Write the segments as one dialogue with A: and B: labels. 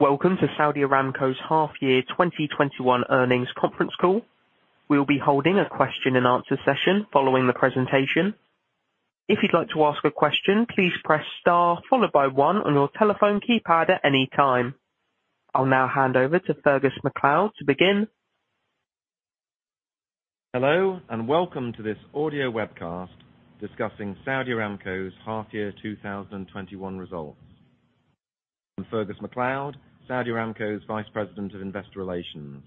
A: Welcome to Saudi Aramco's half year 2021 earnings conference call. We'll be holding a question and answer session following the presentation. I'll now hand over to Fergus MacLeod to begin.
B: Hello, welcome to this audio webcast discussing Saudi Aramco's half year 2021 results. I'm Fergus MacLeod, Saudi Aramco's Vice President of Investor Relations,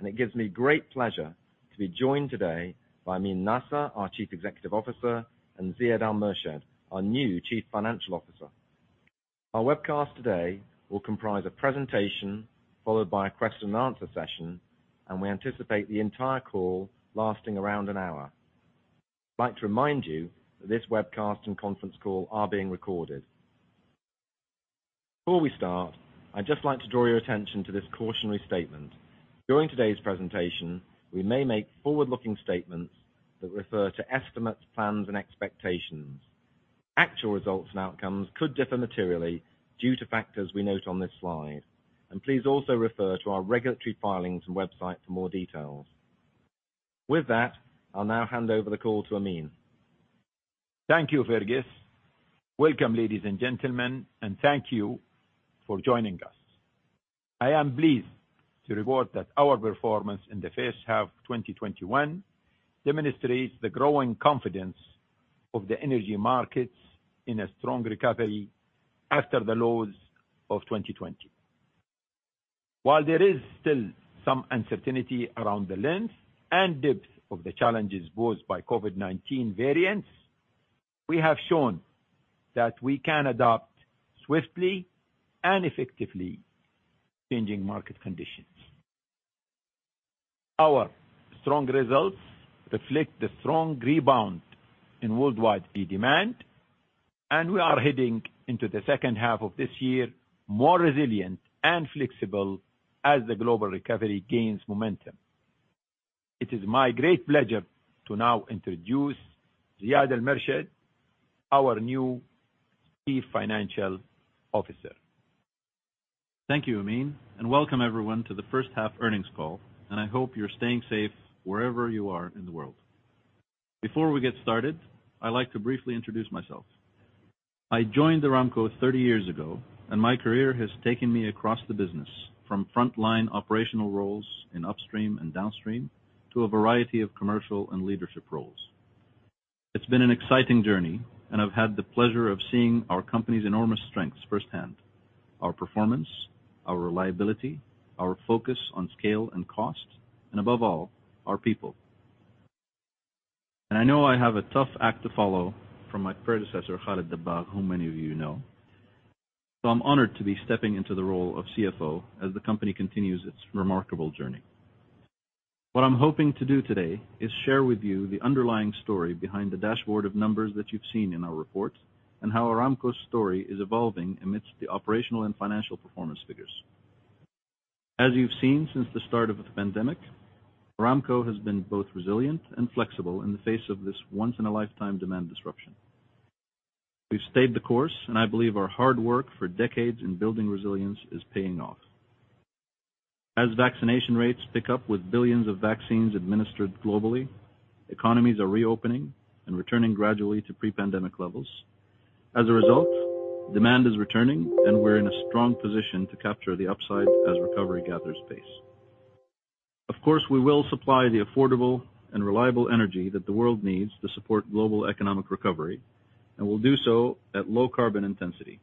B: and it gives me great pleasure to be joined today by Amin Nasser, our Chief Executive Officer, and Ziad Al-Murshed, our new Chief Financial Officer. Our webcast today will comprise a presentation followed by a question and answer session, and we anticipate the entire call lasting around an hour. I'd like to remind you that this webcast and conference call are being recorded. Before we start, I'd just like to draw your attention to this cautionary statement. During today's presentation, we may make forward-looking statements that refer to estimates, plans, and expectations. Actual results and outcomes could differ materially due to factors we note on this slide. Please also refer to our regulatory filings and website for more details. With that, I'll now hand over the call to Amin.
C: Thank you, Fergus. Welcome, ladies and gentlemen, and thank you for joining us. I am pleased to report that our performance in the first half of 2021 demonstrates the growing confidence of the energy markets in a strong recovery after the lows of 2020. While there is still some uncertainty around the length and depth of the challenges posed by COVID-19 variants, we have shown that we can adapt swiftly and effectively to changing market conditions. Our strong results reflect the strong rebound in worldwide uncertain, and we are heading into the second half of this year more resilient and flexible as the global recovery gains momentum. It is my great pleasure to now introduce Ziad Al-Murshed, our new Chief Financial Officer.
D: Thank you, Amin. Welcome everyone to the first half earnings call. I hope you're staying safe wherever you are in the world. Before we get started, I'd like to briefly introduce myself. I joined Aramco 30 years ago. My career has taken me across the business, from frontline operational roles in upstream and downstream to a variety of commercial and leadership roles. It's been an exciting journey. I've had the pleasure of seeing our company's enormous strengths firsthand, our performance, our reliability, our focus on scale and cost, and above all, our people. I know I have a tough act to follow from my predecessor, Khalid Al-Dabbagh, whom many of you know. I'm honored to be stepping into the role of CFO as the company continues its remarkable journey. What I'm hoping to do today is share with you the underlying story behind the dashboard of numbers that you've seen in our reports and how Aramco's story is evolving amidst the operational and financial performance figures. As you've seen since the start of the pandemic, Aramco has been both resilient and flexible in the face of this once-in-a-lifetime demand disruption. We've stayed the course, and I believe our hard work for decades in building resilience is paying off. As vaccination rates pick up with billions of vaccines administered globally, economies are reopening and returning gradually to pre-pandemic levels. As a result, demand is returning, and we're in a strong position to capture the upside as recovery gathers pace. Of course, we will supply the affordable and reliable energy that the world needs to support global economic recovery, and we'll do so at low carbon intensity.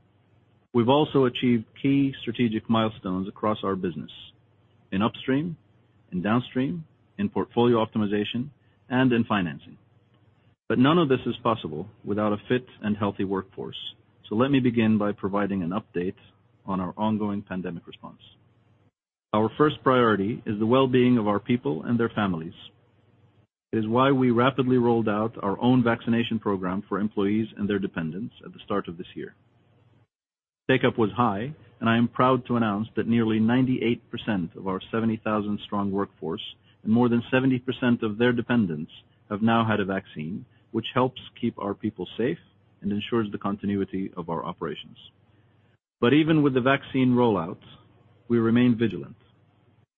D: We've also achieved key strategic milestones across our business, in upstream, in downstream, in portfolio optimization, and in financing. None of this is possible without a fit and healthy workforce. Let me begin by providing an update on our ongoing pandemic response. Our first priority is the well-being of our people and their families. It is why we rapidly rolled out our own vaccination program for employees and their dependents at the start of this year. Takeup was high, and I am proud to announce that nearly 98% of our 70,000 strong workforce and more than 70% of their dependents have now had a vaccine, which helps keep our people safe and ensures the continuity of our operations. Even with the vaccine rollout, we remain vigilant.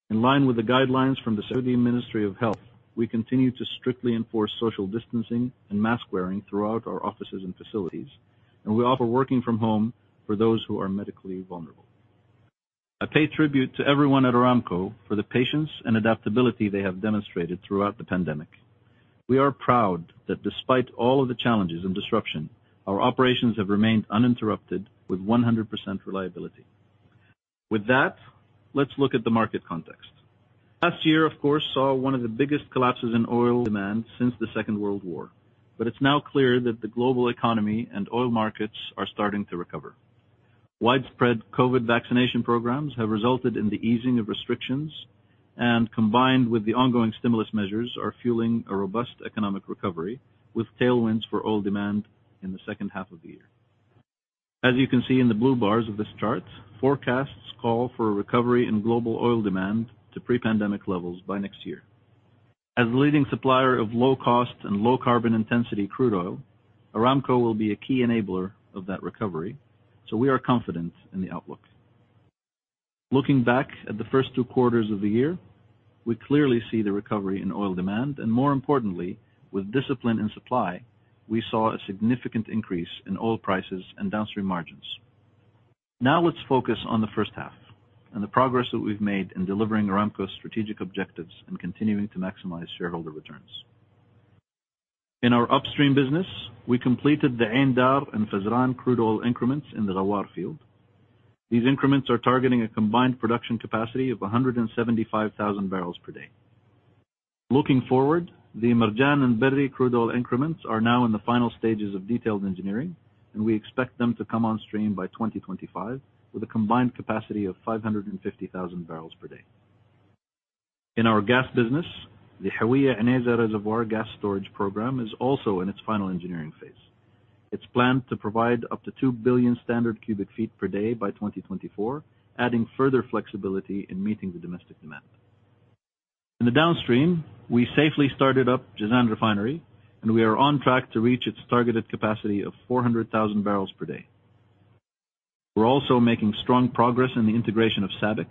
D: In line with the guidelines from the Saudi Ministry of Health, we continue to strictly enforce social distancing and mask-wearing throughout our offices and facilities, and we offer working from home for those who are medically vulnerable. I pay tribute to everyone at Aramco for the patience and adaptability they have demonstrated throughout the pandemic. We are proud that despite all of the challenges and disruption, our operations have remained uninterrupted with 100% reliability. With that, let's look at the market context. Last year, of course, saw one of the biggest collapses in oil demand since the Second World War, but it's now clear that the global economy and oil markets are starting to recover. Widespread COVID vaccination programs have resulted in the easing of restrictions, and combined with the ongoing stimulus measures, are fueling a robust economic recovery with tailwinds for oil demand in the second half of the year. As you can see in the blue bars of this chart, forecasts call for a recovery in global oil demand to pre-pandemic levels by next year. We are confident in the outlook. Looking back at the first 2 quarters of the year, we clearly see the recovery in oil demand, and more importantly, with discipline and supply, we saw a significant increase in oil prices and downstream margins. Now let's focus on the first half and the progress that we've made in delivering Aramco's strategic objectives and continuing to maximize shareholder returns. In our upstream business, we completed the Ain Dar and Fazran crude oil increments in the Ghawar field. These increments are targeting a combined production capacity of 175,000 barrels per day. Looking forward, the Marjan and Berri crude oil increments are now in the final stages of detailed engineering, and we expect them to come on stream by 2025 with a combined capacity of 550,000 barrels per day. In our gas business, the Hawiyah Unayzah Reservoir gas storage program is also in its final engineering phase. It's planned to provide up to 2 billion standard cubic feet per day by 2024, adding further flexibility in meeting the domestic demand. In the downstream, we safely started up Jazan Refinery, and we are on track to reach its targeted capacity of 400,000 barrels per day. We're also making strong progress in the integration of SABIC.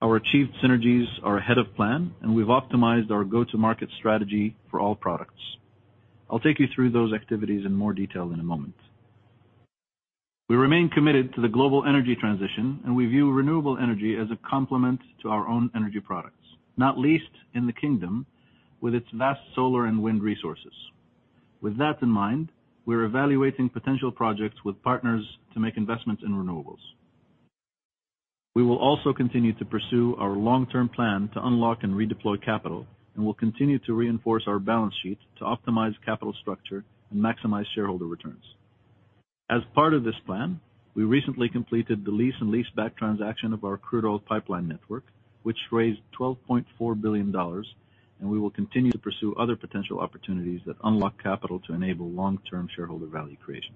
D: Our achieved synergies are ahead of plan, and we've optimized our go-to-market strategy for all products. I'll take you through those activities in more detail in a moment. We remain committed to the global energy transition, and we view renewable energy as a complement to our own energy products, not least in the kingdom with its vast solar and wind resources. With that in mind, we're evaluating potential projects with partners to make investments in renewables. We will also continue to pursue our long-term plan to unlock and redeploy capital, and we'll continue to reinforce our balance sheet to optimize capital structure and maximize shareholder returns. As part of this plan, we recently completed the lease and leaseback transaction of our crude oil pipeline network, which raised $12.4 billion and we will continue to pursue other potential opportunities that unlock capital to enable long-term shareholder value creation.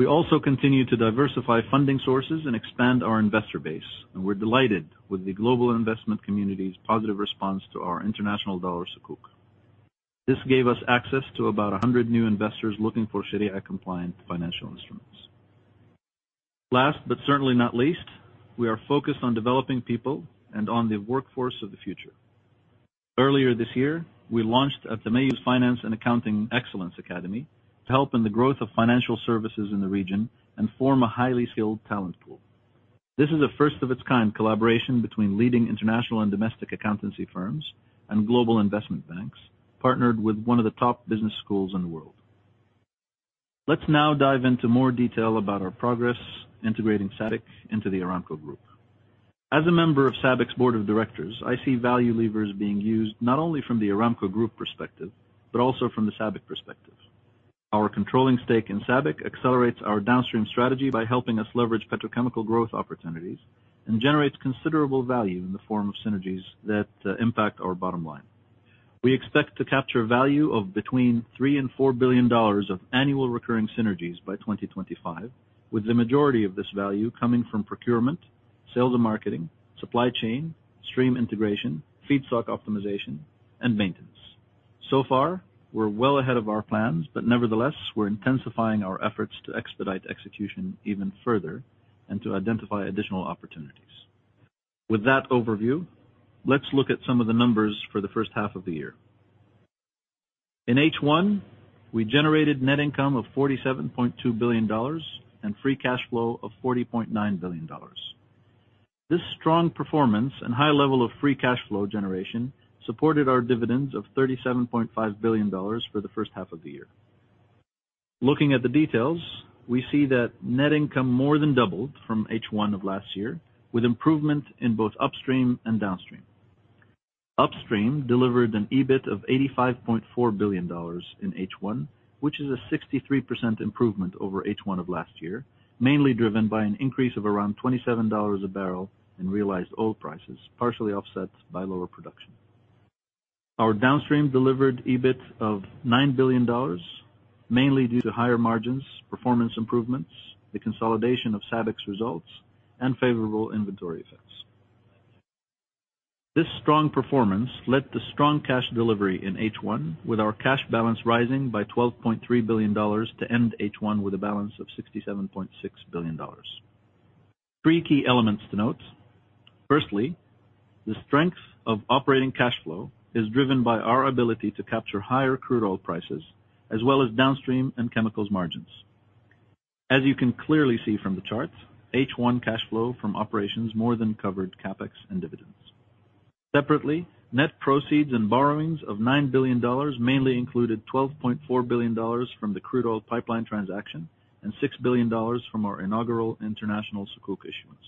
D: We also continue to diversify funding sources and expand our investor base, and we're delighted with the global investment community's positive response to our international dollar sukuk. This gave us access to about 100 new investors looking for Sharia-compliant financial instruments. Last, but certainly not least, we are focused on developing people and on the workforce of the future. Earlier this year, we launched Altamayyuz Finance and Accounting Excellence Academy to help in the growth of financial services in the region and form a highly skilled talent pool. This is a first-of-its-kind collaboration between leading international and domestic accountancy firms and global investment banks, partnered with one of the top business schools in the world. Let's now dive into more detail about our progress integrating SABIC into the Aramco group. As a member of SABIC's board of directors, I see value levers being used not only from the Aramco group perspective, but also from the SABIC perspective. Our controlling stake in SABIC accelerates our downstream strategy by helping us leverage petrochemical growth opportunities and generates considerable value in the form of synergies that impact our bottom line. We expect to capture value of between $3 billion-$4 billion of annual recurring synergies by 2025, with the majority of this value coming from procurement, sales and marketing, supply chain, downstream integration, feedstock optimization, and maintenance. So far, we're well ahead of our plans, but nevertheless, we're intensifying our efforts to expedite execution even further and to identify additional opportunities. With that overview, let's look at some of the numbers for the first half of the year. In H1, we generated net income of $47.2 billion and free cash flow of $40.9 billion. This strong performance and high level of free cash flow generation supported our dividends of $37.5 billion for the first half of the year. Looking at the details, we see that net income more than doubled from H1 of last year, with improvement in both upstream and downstream. Upstream delivered an EBIT of $85.4 billion in H1, which is a 63% improvement over H1 of last year, mainly driven by an increase of around $27 a barrel in realized oil prices, partially offset by lower production. Our downstream delivered EBIT of $9 billion, mainly due to higher margins, performance improvements, the consolidation of SABIC's results, and favorable inventory effects. This strong performance led to strong cash delivery in H1, with our cash balance rising by $12.3 billion to end H1 with a balance of $67.6 billion. Three key elements to note. The strength of operating cash flow is driven by our ability to capture higher crude oil prices, as well as downstream and chemicals margins. As you can clearly see from the charts, H1 cash flow from operations more than covered CapEx and dividends. Net proceeds and borrowings of $9 billion mainly included $12.4 billion from the crude oil pipeline transaction and $6 billion from our inaugural international sukuk issuance.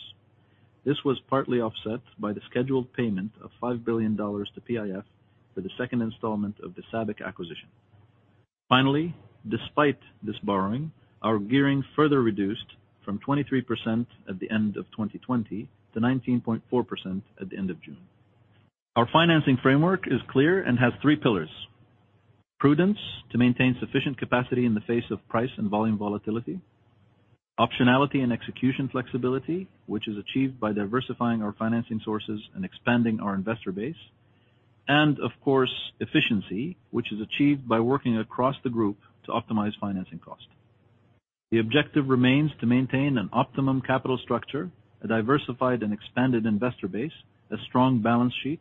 D: This was partly offset by the scheduled payment of $5 billion to PIF for the second installment of the SABIC acquisition. Finally, despite this borrowing, our gearing further reduced from 23% at the end of 2020 to 19.4% at the end of June. Our financing framework is clear and has three pillars. Prudence to maintain sufficient capacity in the face of price and volume volatility. Optionality and execution flexibility, which is achieved by diversifying our financing sources and expanding our investor base and, of course, efficiency, which is achieved by working across the group to optimize financing cost. The objective remains to maintain an optimum capital structure, a diversified and expanded investor base, a strong balance sheet,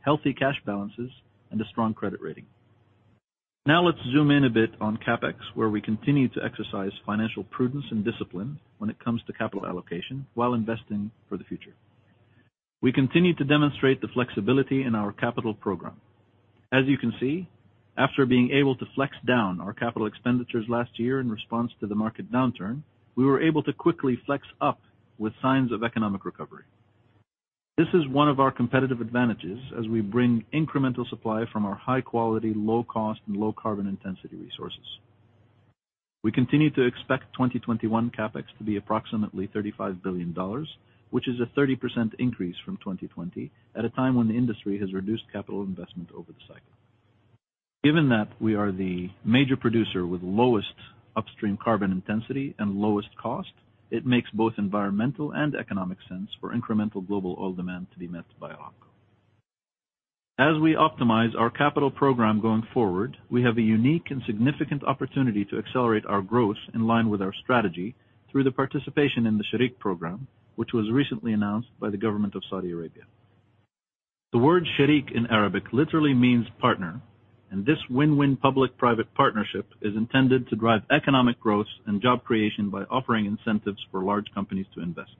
D: healthy cash balances, and a strong credit rating. Let's zoom in a bit on CapEx, where we continue to exercise financial prudence and discipline when it comes to capital allocation while investing for the future. We continue to demonstrate the flexibility in our capital program. As you can see, after being able to flex down our capital expenditures last year in response to the market downturn, we were able to quickly flex up with signs of economic recovery. This is one of our competitive advantages as we bring incremental supply from our high-quality, low-cost and low-carbon intensity resources. We continue to expect 2021 CapEx to be approximately $35 billion, which is a 30% increase from 2020 at a time when the industry has reduced capital investment over the cycle. Given that we are the major producer with lowest upstream carbon intensity and lowest cost, it makes both environmental and economic sense for incremental global oil demand to be met by Aramco. As we optimize our capital program going forward, we have a unique and significant opportunity to accelerate our growth in line with our strategy through the participation in the Shareek Program, which was recently announced by the government of Saudi Arabia. The word shareek in Arabic literally means partner, this win-win public-private partnership is intended to drive economic growth and job creation by offering incentives for large companies to invest.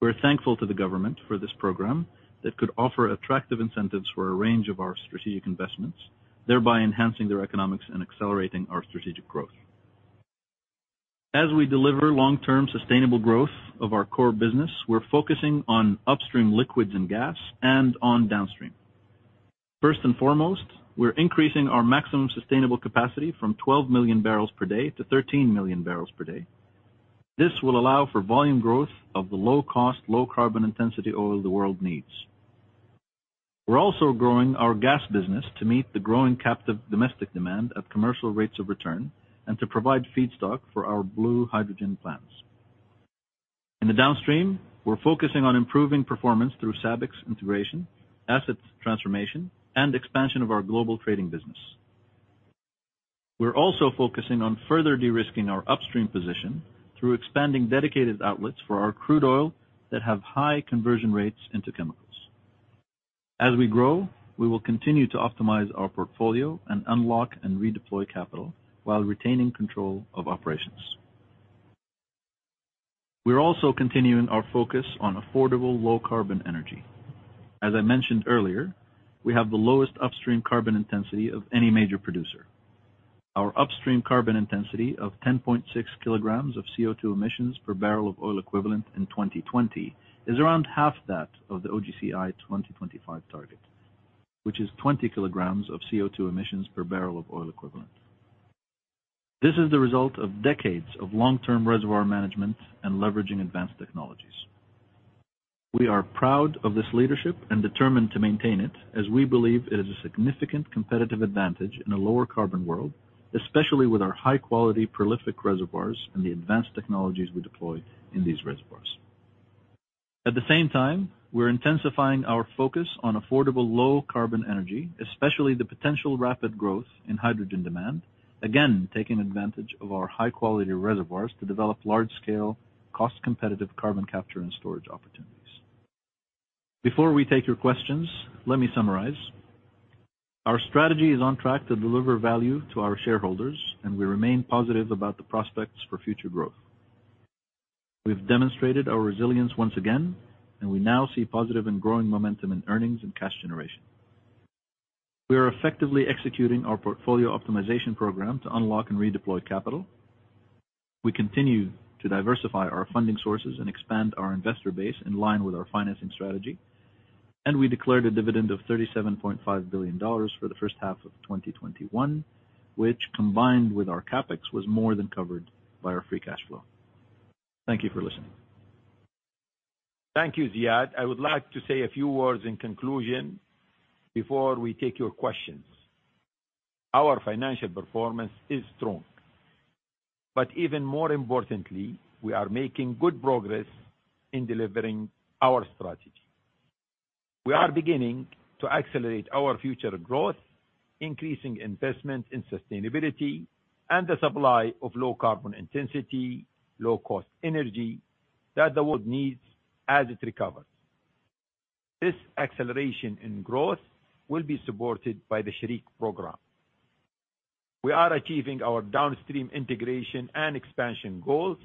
D: We're thankful to the government for this program that could offer attractive incentives for a range of our strategic investments, thereby enhancing their economics and accelerating our strategic growth. As we deliver long-term sustainable growth of our core business, we're focusing on upstream liquids and gas and on downstream. First and foremost, we're increasing our Maximum Sustainable Capacity from 12 million barrels per day to 13 million barrels per day. This will allow for volume growth of the low-cost, low carbon intensity oil the world needs. We're also growing our gas business to meet the growing captive domestic demand at commercial rates of return and to provide feedstock for our blue hydrogen plants. In the downstream, we're focusing on improving performance through SABIC's integration, assets transformation, and expansion of our global trading business. We're also focusing on further de-risking our upstream position through expanding dedicated outlets for our crude oil that have high conversion rates into chemicals. As we grow, we will continue to optimize our portfolio and unlock and redeploy capital while retaining control of operations. We are also continuing our focus on affordable low-carbon energy. As I mentioned earlier, we have the lowest upstream carbon intensity of any major producer. Our upstream carbon intensity of 10.6 kg of CO2 emissions per barrel of oil equivalent in 2020 is around half that of the OGCI 2025 target, which is 20 kg of CO2 emissions per barrel of oil equivalent. This is the result of decades of long-term reservoir management and de-leveraging advanced technologies. We are proud of this leadership and determined to maintain it, as we believe it is a significant competitive advantage in a lower carbon world, especially with our high-quality prolific reservoirs and the advanced technologies we deploy in these reservoirs. At the same time, we're intensifying our focus on affordable low-carbon energy, especially the potential rapid growth in hydrogen demand, again, taking advantage of our high-quality reservoirs to develop large-scale, cost-competitive carbon capture and storage opportunities. Before we take your questions, let me summarize. Our strategy is on track to deliver value to our shareholders, and we remain positive about the prospects for future growth. We've demonstrated our resilience once again, and we now see positive and growing momentum in earnings and cash generation. We are effectively executing our portfolio optimization program to unlock and redeploy capital. We continue to diversify our funding sources and expand our investor base in line with our financing strategy. We declared a dividend of $37.5 billion for the first half of 2021, which, combined with our CapEx, was more than covered by our free cash flow. Thank you for listening.
C: Thank you, Ziad. I would like to say a few words in conclusion before we take your questions. Our financial performance is strong, but even more importantly, we are making good progress in delivering our strategy. We are beginning to accelerate our future growth, increasing investment in sustainability and the supply of low carbon intensity, low-cost energy that the world needs as it recovers. This acceleration in growth will be supported by the Shareek Program. We are achieving our downstream integration and expansion goals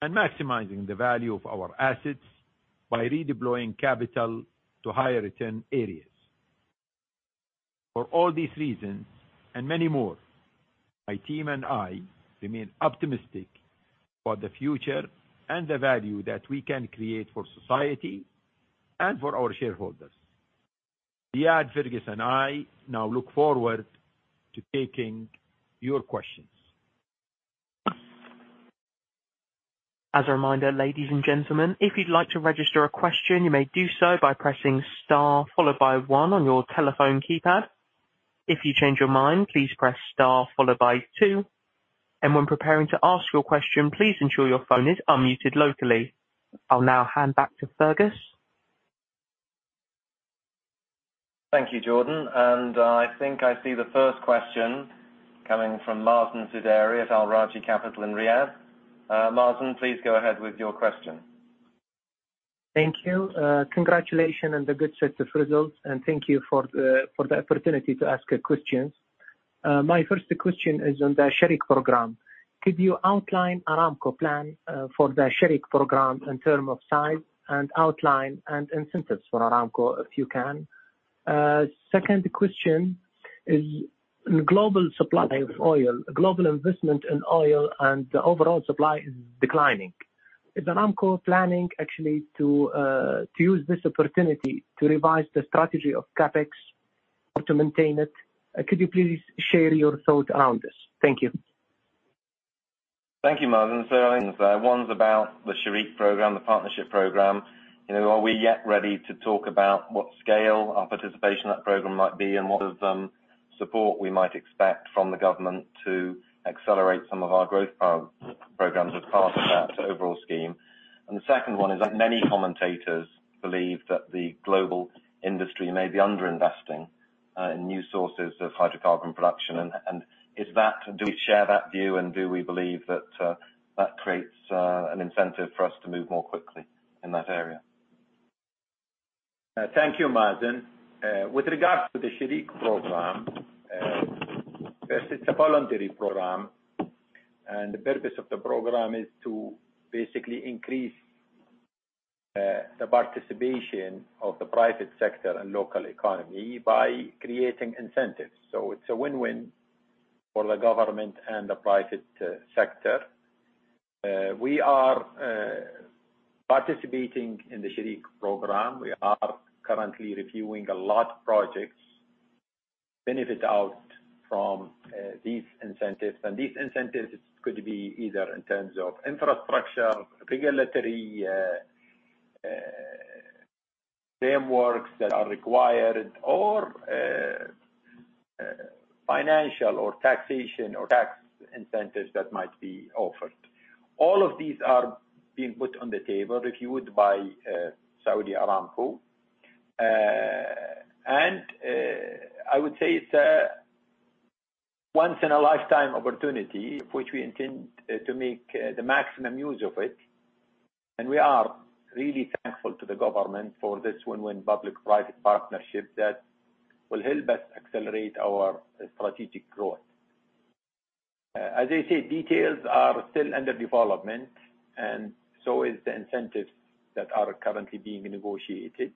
C: and maximizing the value of our assets by redeploying capital to higher return areas. For all these reasons and many more, my team and I remain optimistic about the future and the value that we can create for society and for our shareholders. Ziad, Fergus, and I now look forward to taking your questions.
A: As a reminder, ladies and gentlemen, if you'd like to register a question, you may do so by pressing star followed by one on your telephone keypad. If you change your mind, please press star followed by two, and when preparing to ask your question, please ensure your phone is unmuted locally. I'll now hand back to Fergus.
B: Thank you, Jordan. I think I see the first question coming from Mazen Al-Sudairi at Al Rajhi Capital in Riyadh. Mazen, please go ahead with your question.
E: Thank you. Congratulations on the good set of results, and thank you for the opportunity to ask a question. My first question is on the Shareek Program. Could you outline Aramco plan for the Shareek Program in term of size and outline and incentives for Aramco, if you can? Second question is, in global supply of oil, global investment in oil and overall supply is declining. Is Aramco planning actually to use this opportunity to revise the strategy of CapEx or to maintain it? Could you please share your thoughts around this? Thank you.
B: Thank you, Mazen. I think there are two questions there. One's about the Shareek Program, the partnership program. Are we yet ready to talk about what scale our participation in that program might be and what of support we might expect from the government to accelerate some of our growth programs as part of that overall scheme? The second one is that many commentators believe that the global industry may be under-investing in new sources of hydrocarbon production. Do we share that view, and do we believe that that creates an incentive for us to move more quickly in that area?
C: Thank you, Mazen. With regards to the Shareek Program, first, it's a voluntary program, and the purpose of the program is to basically increase the participation of the private sector and local economy by creating incentives. It's a win-win for the government and the private sector. We are participating in the Shareek Program. We are currently reviewing a lot of projects, benefit out from these incentives. These incentives could be either in terms of infrastructure, regulatory frameworks that are required or financial or taxation or tax incentives that might be offered. All of these are being put on the table, reviewed by Saudi Aramco. I would say it's a once in a lifetime opportunity, which we intend to make the maximum use of it. We are really thankful to the government for this win-win public private partnership that will help us accelerate our strategic growth. As I said, details are still under development, and so is the incentives that are currently being negotiated.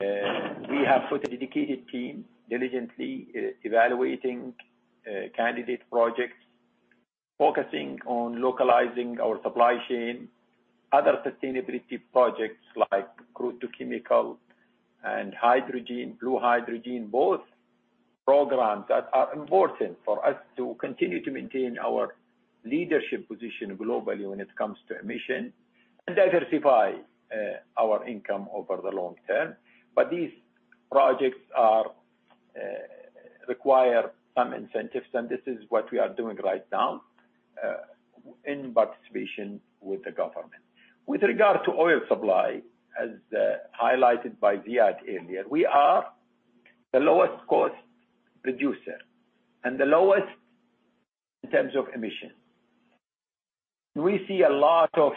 C: We have put a dedicated team diligently evaluating candidate projects, focusing on localizing our supply chain, other sustainability projects like crude to chemicals and hydrogen, blue hydrogen, both programs that are important for us to continue to maintain our leadership position globally when it comes to emission and diversify our income over the long term. These projects require some incentives, and this is what we are doing right now, in participation with the government. With regard to oil supply, as highlighted by Ziad earlier, we are the lowest cost producer and the lowest in terms of emission. We see a lot of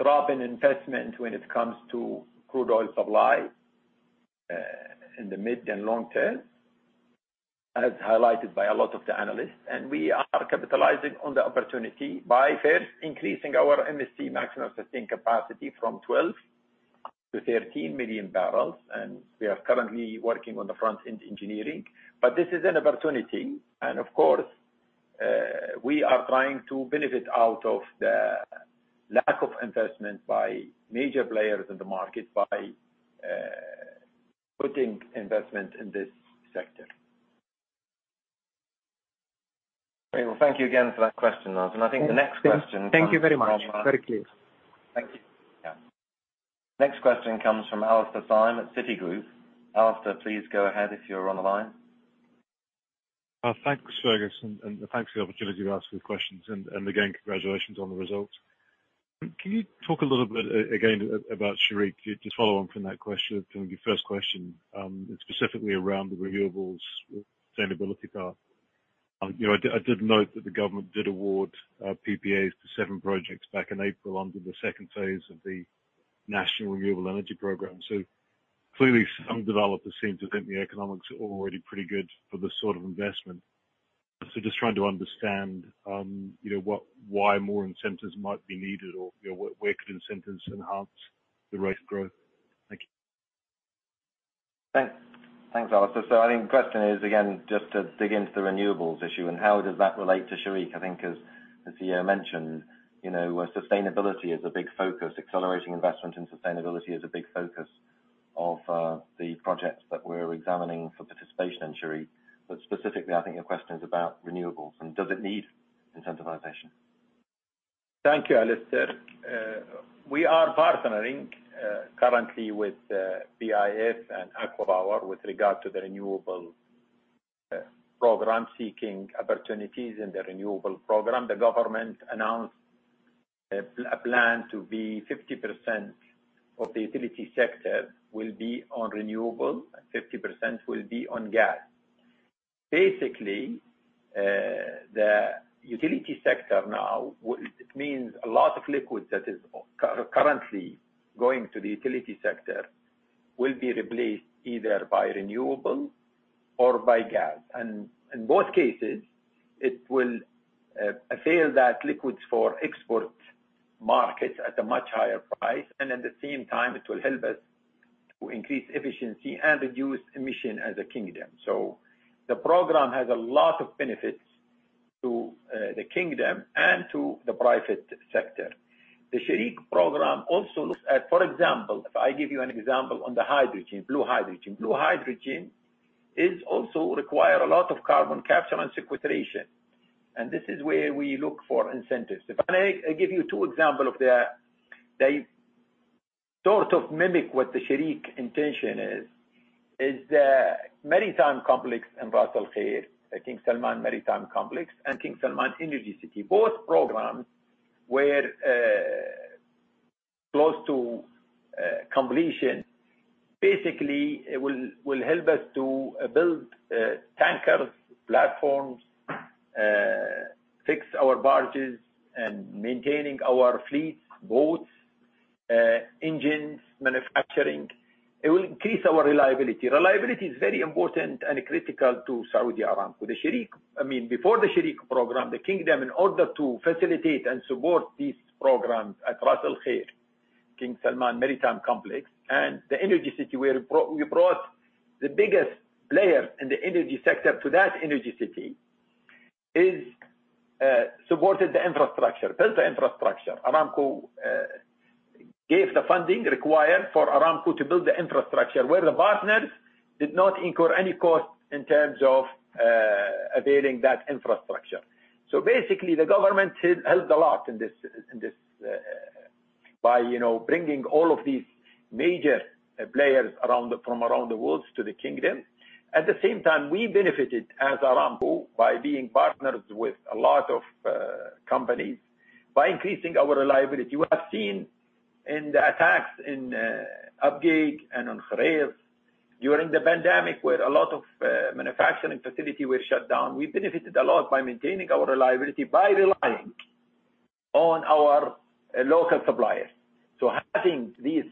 C: drop in investment when it comes to crude oil supply in the mid and long term, as highlighted by a lot of the analysts. We are capitalizing on the opportunity by first increasing our MSC maximum sustained capacity from 12 to 13 million barrels. We are currently working on the front-end engineering. This is an opportunity. Of course, we are trying to benefit out of the lack of investment by major players in the market by putting investment in this sector.
B: Okay. Well, thank you again for that question, Mazen.
E: Thank you very much. Very clear.
B: Thank you. Yeah. Next question comes from Alastair Syme at Citigroup. Alastair, please go ahead if you're on the line.
F: Thanks, Fergus. Thanks for the opportunity to ask you questions. Again, congratulations on the results. Can you talk a little bit, again, about Shareek, just follow on from that question, from your first question, specifically around the renewables sustainability part? I did note that the government did award PPAs to seven projects back in April under the second phase of the National Renewable Energy Program. Clearly some developers seem to think the economics are already pretty good for this sort of investment. Just trying to understand why more incentives might be needed or where could incentives enhance the rate of growth. Thank you.
B: Thanks. Thanks, Alastair. I think the question is, again, just to dig into the renewables issue and how does that relate to Shareek. I think as the CEO mentioned, sustainability is a big focus. Accelerating investment in sustainability is a big focus of the projects that we're examining for participation in Shareek. Specifically, I think your question is about renewables, and does it need incentivization?
C: Thank you, Alastair. We are partnering currently with PIF and ACWA Power with regard to the renewable program, seeking opportunities in the renewable program. The government announced a plan to be 50% of the utility sector will be on renewable and 50% will be on gas. Basically, the utility sector now, it means a lot of liquid that is currently going to the utility sector will be replaced either by renewable or by gas. In both cases, it will avail that liquids for export markets at a much higher price, and at the same time, it will help us to increase efficiency and reduce emission as a kingdom. The Shareek Program also looks at, for example, if I give you an example on the hydrogen, blue hydrogen. Blue hydrogen is also require a lot of carbon capture and sequestration, and this is where we look for incentives. If I give you two example of that, they sort of mimic what the Shareek intention is the maritime complex in Ras Al-Khair, the King Salman Maritime Complex and King Salman Energy City. Both programs were close to completion. Basically, it will help us to build tankers, platforms, fix our barges, and maintaining our fleets, boats, engines, manufacturing. It will increase our reliability. Reliability is very important and critical to Saudi Aramco. Before the Shareek program, the kingdom, in order to facilitate and support these programs at Ras Al-Khair, King Salman Maritime Complex, and the energy city, we brought the biggest player in the energy sector to that energy city, is supported the infrastructure, built the infrastructure. Aramco gave the funding required for Aramco to build the infrastructure, where the partners did not incur any cost in terms of availing that infrastructure. Basically, the government helped a lot in this by bringing all of these major players from around the world to the kingdom. At the same time, we benefited as Aramco by being partners with a lot of companies by increasing our reliability. You have seen in the attacks in Abqaiq and on Khurais during the pandemic, where a lot of manufacturing facility was shut down. We benefited a lot by maintaining our reliability by relying on our local suppliers. Having these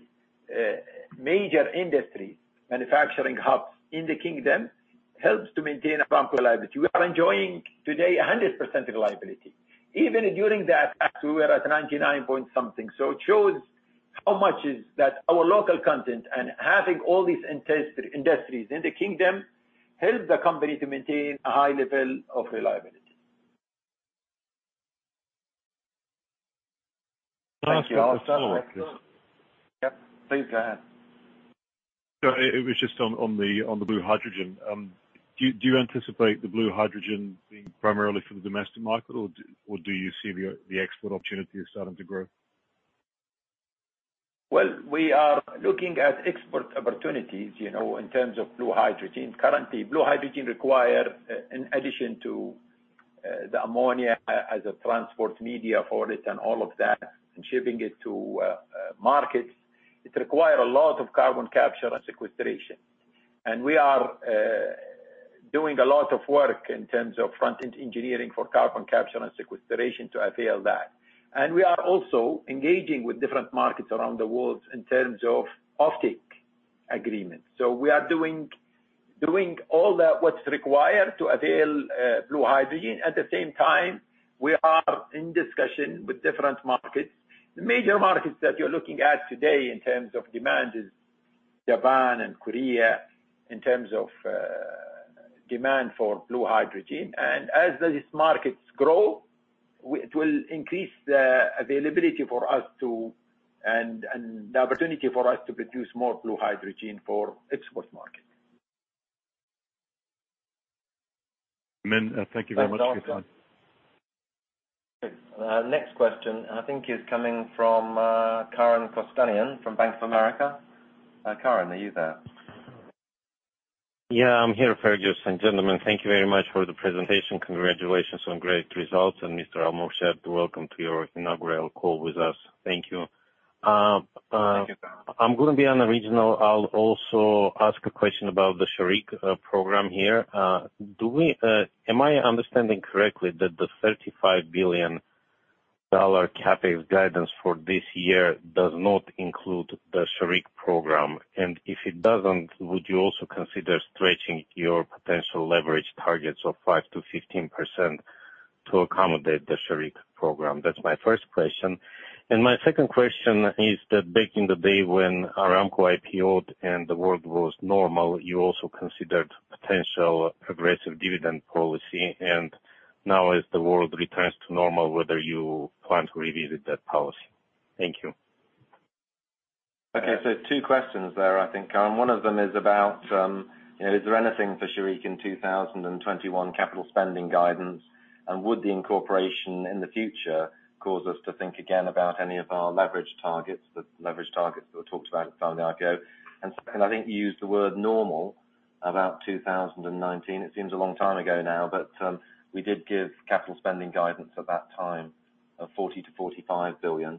C: major industry manufacturing hubs in the kingdom helps to maintain Aramco reliability. We are enjoying today 100% reliability. Even during the attack, we were at 99 point something. It shows how much is that our local content and having all these industries in the Kingdom help the Company to maintain a high level of reliability.
B: Thank you, Alastair.
F: Can I ask a quick follow-up, please?
B: Yep. Please go ahead.
F: It was just on the blue hydrogen. Do you anticipate the blue hydrogen being primarily for the domestic market, or do you see the export opportunity is starting to grow?
C: Well, we are looking at export opportunities, in terms of blue hydrogen. Currently, blue hydrogen require, in addition to the ammonia as a transport media for it and all of that and shipping it to markets, it require a lot of carbon capture and sequestration. We are doing a lot of work in terms of front-end engineering for carbon capture and sequestration to avail that. We are also engaging with different markets around the world in terms of offtake agreements. We are doing all that what's required to avail blue hydrogen. At the same time, we are in discussion with different markets. The major markets that you're looking at today in terms of demand is Japan and Korea in terms of demand for blue hydrogen. As these markets grow, it will increase the availability for us to and the opportunity for us to produce more blue hydrogen for export market.
F: Thank you very much.
B: Thanks, Alastair. Next question, I think is coming from Karen Kostanian from Bank of America. Karen, are you there?
G: Yeah, I'm here, Fergus. Gentlemen, thank you very much for the presentation. Congratulations on great results. Mr. Al-Murshed, welcome to your inaugural call with us. Thank you.
D: Thank you.
G: I'm going to be unoriginal. I'll also ask a question about the Shareek Program here. Am I understanding correctly that the $35 billion CapEx guidance for this year does not include the Shareek Program? If it doesn't, would you also consider stretching your potential leverage targets of 5%-15% to accommodate the Shareek Program? That's my first question. My second question is that back in the day when Aramco IPO'd and the world was normal, you also considered potential progressive dividend policy, and now as the world returns to normal, whether you plan to revisit that policy. Thank you.
B: Two questions there, I think. One of them is about, is there anything for Shareek in 2021 capital spending guidance? Would the incorporation in the future cause us to think again about any of our leverage targets, the leverage targets that were talked about some time ago? I think you used the word normal about 2019. It seems a long time ago now, we did give capital spending guidance at that time of $40 billion-$45 billion.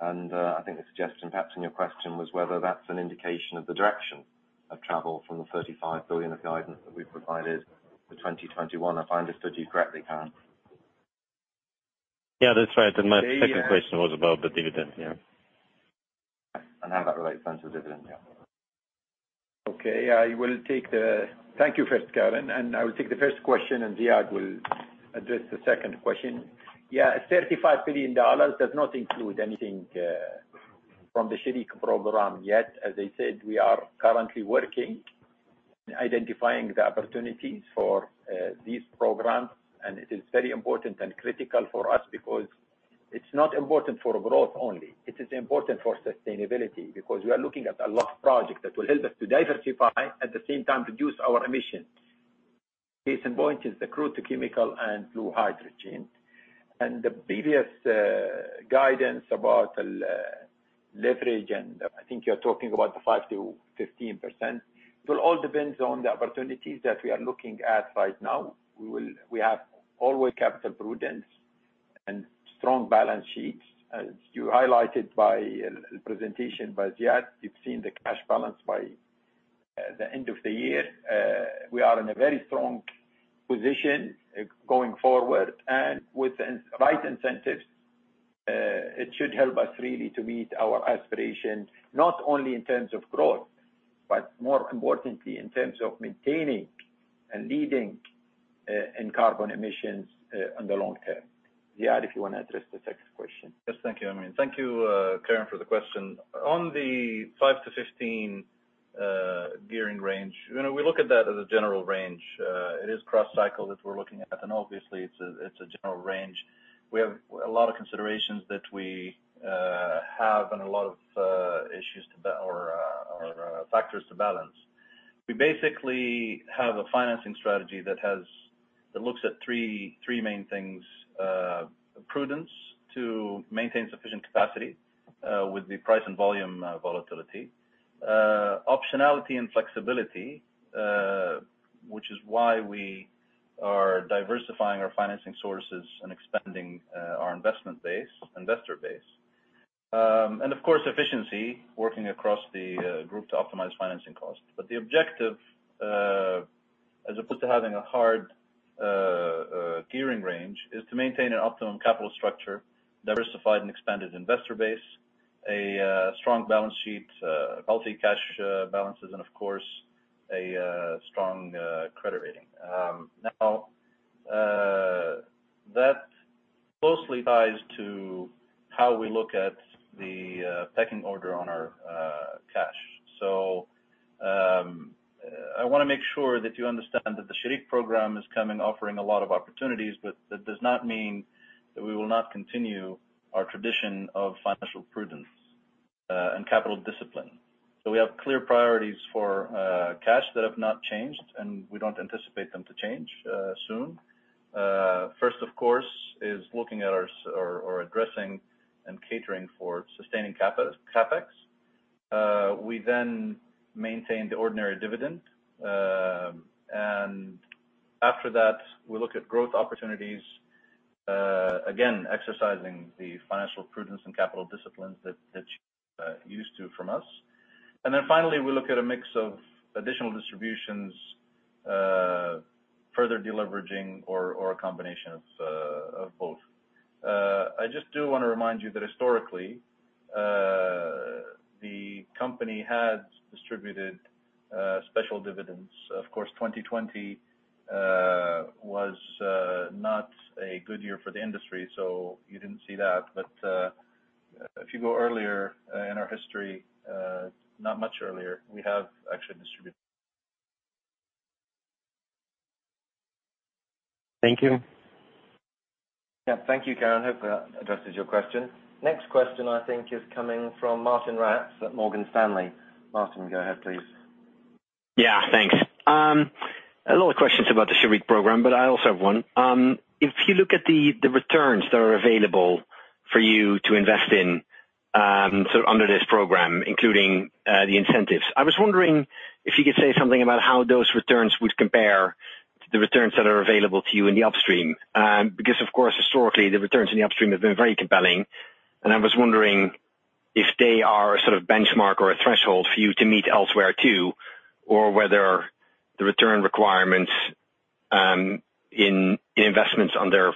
B: I think the suggestion perhaps in your question was whether that's an indication of the direction of travel from the $35 billion of guidance that we've provided for 2021, if I understood you correctly, Karen.
G: Yeah, that's right. My second question was about the dividend. Yeah.
B: How that relates then to the dividend. Yeah.
C: Okay. Thank you first, Karen. I will take the first question, and Ziad will address the second question. Yeah, $35 billion does not include anything from the Shareek Program yet. As I said, we are currently working in identifying the opportunities for these programs. It is very important and critical for us because it is not important for growth only. It is important for sustainability because we are looking at a lot of projects that will help us to diversify, at the same time reduce our emissions. Case in point is the crude to chemicals and blue hydrogen. The previous guidance about leverage, I think you are talking about the 5%-15%. It will all depends on the opportunities that we are looking at right now. We have always capital prudence and strong balance sheets. As you highlighted by presentation by Ziad, you've seen the cash balance by the end of the year. We are in a very strong position going forward. With the right incentives, it should help us really to meet our aspirations, not only in terms of growth, but more importantly, in terms of maintaining and leading in carbon emissions in the long term. Ziad, if you want to address the second question.
D: Yes. Thank you, Amin. Thank you, Karen, for the question. On the 5%-15% gearing range, we look at that as a general range. It is cross cycle that we're looking at, and obviously it's a general range. We have a lot of considerations that we have and a lot of factors to balance. We basically have a financing strategy that looks at three main things. Prudence to maintain sufficient capacity with the price and volume volatility. Optionality and flexibility, which is why we are diversifying our financing sources and expanding our investor base. Of course, efficiency, working across the group to optimize financing costs. The objective, as opposed to having a hard gearing range, is to maintain an optimum capital structure, diversified and expanded investor base, a strong balance sheet, healthy cash balances, and of course, a strong credit rating. That closely ties to how we look at the pecking order on our cash. I want to make sure that you understand that the Shareek Program is coming offering a lot of opportunities, but that does not mean that we will not continue our tradition of financial prudence and capital discipline. We have clear priorities for cash that have not changed, and we don't anticipate them to change soon. First, of course, is looking at or addressing and catering for sustaining CapEx. We then maintain the ordinary dividend. After that, we look at growth opportunities, again, exercising the financial prudence and capital disciplines that you're used to from us. Then finally, we look at a mix of additional distributions, further deleveraging, or a combination of both. I just do want to remind you that historically, the company has distributed special dividends. Of course, 2020 was not a good year for the industry, so you didn't see that. If you go earlier in our history, not much earlier, we have actually distributed.
G: Thank you.
B: Yeah. Thank you, Karen. Hope that addresses your question. Next question I think is coming from Martijn Rats at Morgan Stanley. Martijn, go ahead, please.
H: Yeah. Thanks. A lot of questions about the Shareek program. I also have one. If you look at the returns that are available for you to invest in under this program, including the incentives, I was wondering if you could say something about how those returns would compare to the returns that are available to you in the upstream. Of course, historically, the returns in the upstream have been very compelling, and I was wondering if they are a sort of benchmark or a threshold for you to meet elsewhere too, or whether the return requirements in investments under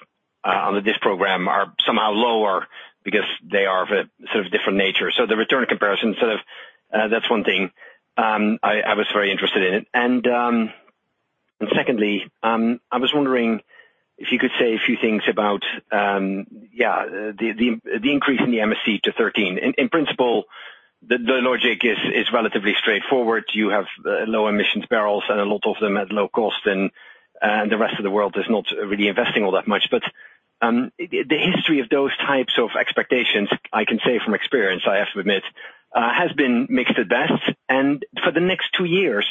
H: this program are somehow lower because they are of a different nature. The return comparison, that's one thing I was very interested in. Secondly, I was wondering if you could say a few things about the increase in the MSC to 13. In principle, the logic is relatively straightforward. You have low emissions barrels and a lot of them at low cost, and the rest of the world is not really investing all that much. The history of those types of expectations, I can say from experience, I have to admit, has been mixed at best. For the next 2 years,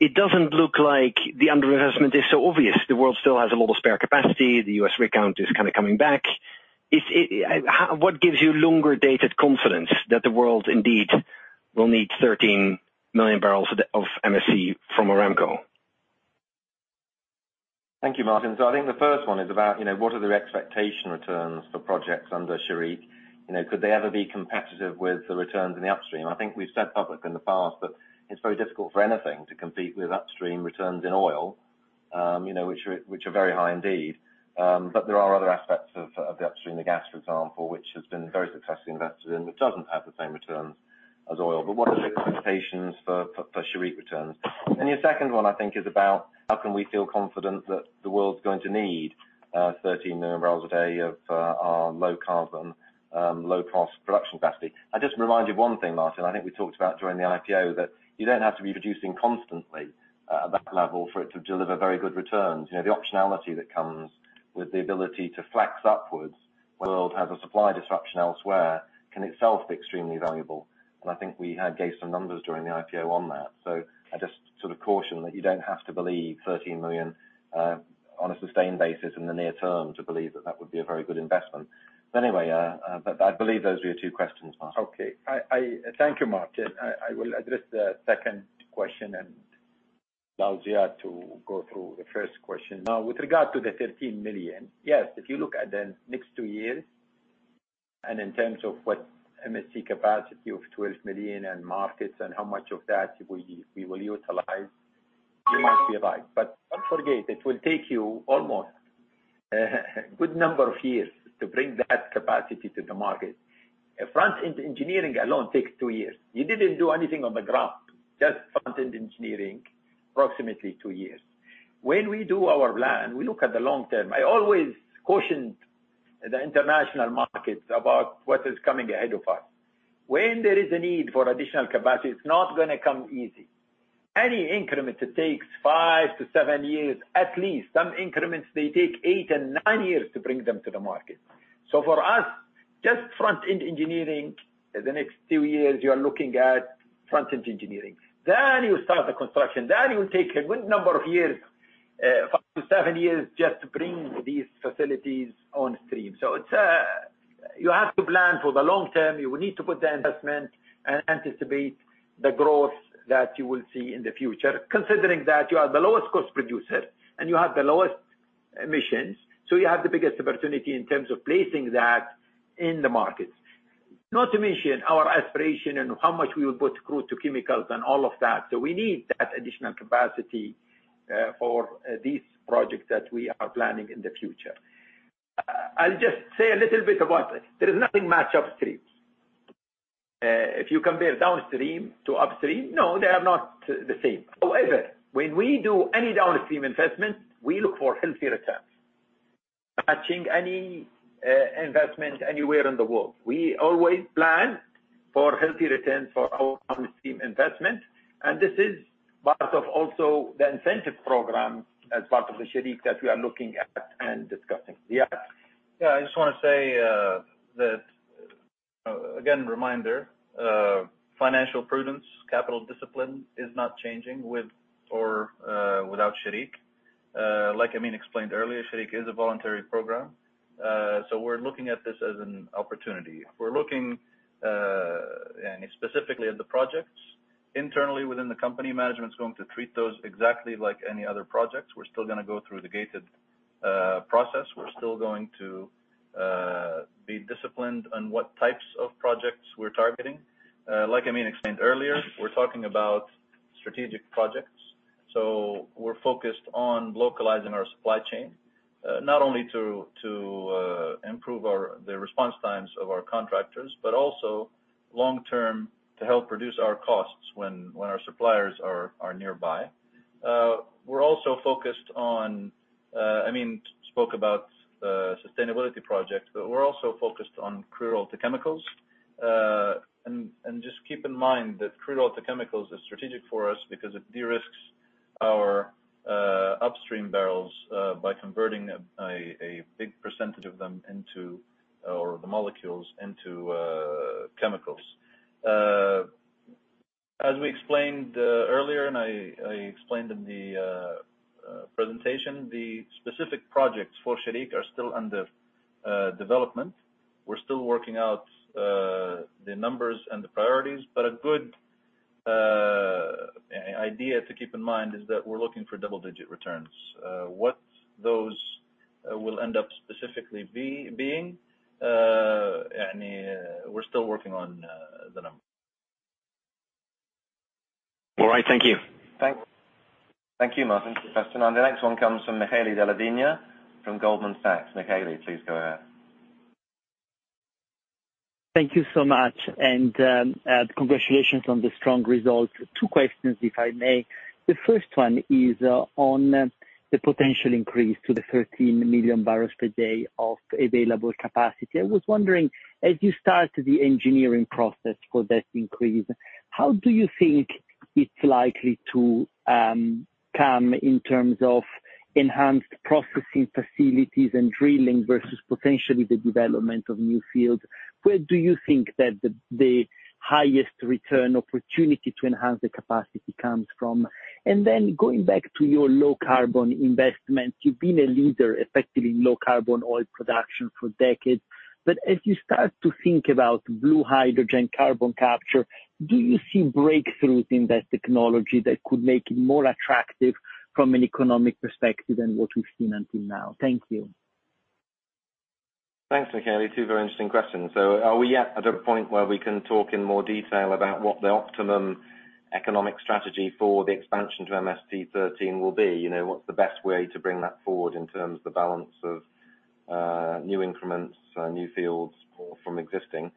H: it doesn't look like the underinvestment is so obvious. The world still has a lot of spare capacity. The U.S. rig count is coming back. What gives you longer-dated confidence that the world indeed will need 13 million barrels a day of MSC from Aramco?
B: Thank you, Martin. I think the first one is about, what are the expected returns for projects under Shareek? Could they ever be competitive with the returns in the upstream? I think we've said publicly in the past that it's very difficult for anything to compete with upstream returns in oil, which are very high indeed. There are other aspects of the upstream, the gas, for example, which has been very successfully invested in, which doesn't have the same returns as oil. What are the expectations for Shareek returns? Your second one, I think, is about how can we feel confident that the world's going to need 13 million barrels a day of our low carbon, low cost production capacity. I'd just remind you one thing, Martijn Rats, I think we talked about during the IPO, that you don't have to be producing constantly at that level for it to deliver very good returns. The optionality that comes with the ability to flex upwards when the world has a supply disruption elsewhere can itself be extremely valuable. I think we had gauged some numbers during the IPO on that. I just caution that you don't have to believe 13 million on a sustained basis in the near term to believe that that would be a very good investment. Anyway, I believe those were your two questions, Martijn Rats.
C: Okay. Thank you, Martijn. I will address the second question and allow Ziad to go through the first question. With regard to the 13 million, yes, if you look at the next two years, and in terms of what MSC capacity of 12 million and markets and how much of that we will utilize, you might be right. Don't forget, it will take you almost a good number of years to bring that capacity to the market. Front-end engineering alone takes two years. You didn't do anything on the ground, just front-end engineering, approximately two years. We do our plan, we look at the long term. I always cautioned the international markets about what is coming ahead of us. There is a need for additional capacity, it's not going to come easy. Any increment, it takes five to seven years at least. Some increments, they take eight and nine years to bring them to the market. For us, just front-end engineering, the next two years, you are looking at front-end engineering. You start the construction. You take a good number of years, five to seven years, just to bring these facilities on stream. You have to plan for the long term. You will need to put the investment and anticipate the growth that you will see in the future, considering that you are the lowest cost producer and you have the lowest emissions, so you have the biggest opportunity in terms of placing that in the markets. Not to mention our aspiration and how much we will put crude to chemicals and all of that. We need that additional capacity for these projects that we are planning in the future. I'll just say a little bit about it. There is nothing much upstream. If you compare downstream to upstream, no, they are not the same. However, when we do any downstream investment, we look for healthy returns, matching any investment anywhere in the world. We always plan for healthy returns for our downstream investment, and this is part of also the incentive program as part of the Shareek that we are looking at and discussing. Ziad?
D: I just want to say that, again, reminder, financial prudence, capital discipline is not changing with or without Shareek. Like Amin explained earlier, Shareek is a voluntary program. We're looking at this as an opportunity. We're looking specifically at the projects internally within the company. Management's going to treat those exactly like any other projects. We're still going to go through the gated process. We're still going to be disciplined on what types of projects we're targeting. Like Amin explained earlier, we're talking about strategic projects. We're focused on localizing our supply chain. Not only to improve the response times of our contractors, but also long-term to help reduce our costs when our suppliers are nearby. Amin spoke about sustainability projects, but we're also focused on crude oil to chemicals. Just keep in mind that crude oil to chemicals is strategic for us because it de-risks our upstream barrels by converting a big percentage of them or the molecules into chemicals. As we explained earlier, and I explained in the presentation, the specific projects for Shareek are still under development. We're still working out the numbers and the priorities, but a good idea to keep in mind is that we're looking for double-digit returns. What those will end up specifically being, we're still working on the numbers.
H: All right. Thank you.
B: Thanks. Thank you, Martijn, for your question. The next one comes from Michele Della Vigna from Goldman Sachs. Michele, please go ahead.
I: Thank you so much, and congratulations on the strong results. Two questions, if I may. The first one is on the potential increase to the 13 million barrels per day of available capacity. I was wondering, as you start the engineering process for that increase, how do you think it's likely to come in terms of enhanced processing facilities and drilling versus potentially the development of new fields? Where do you think that the highest return opportunity to enhance the capacity comes from? Then going back to your low carbon investments, you've been a leader, effectively, in low carbon oil production for decades. As you start to think about blue hydrogen carbon capture, do you see breakthroughs in that technology that could make it more attractive from an economic perspective than what we've seen until now? Thank you.
B: Thanks, Michele. Two very interesting questions. Are we at a point where we can talk in more detail about what the optimum economic strategy for the expansion to MSC 13 will be? What's the best way to bring that forward in terms of the balance of new increments, new fields, or from existing?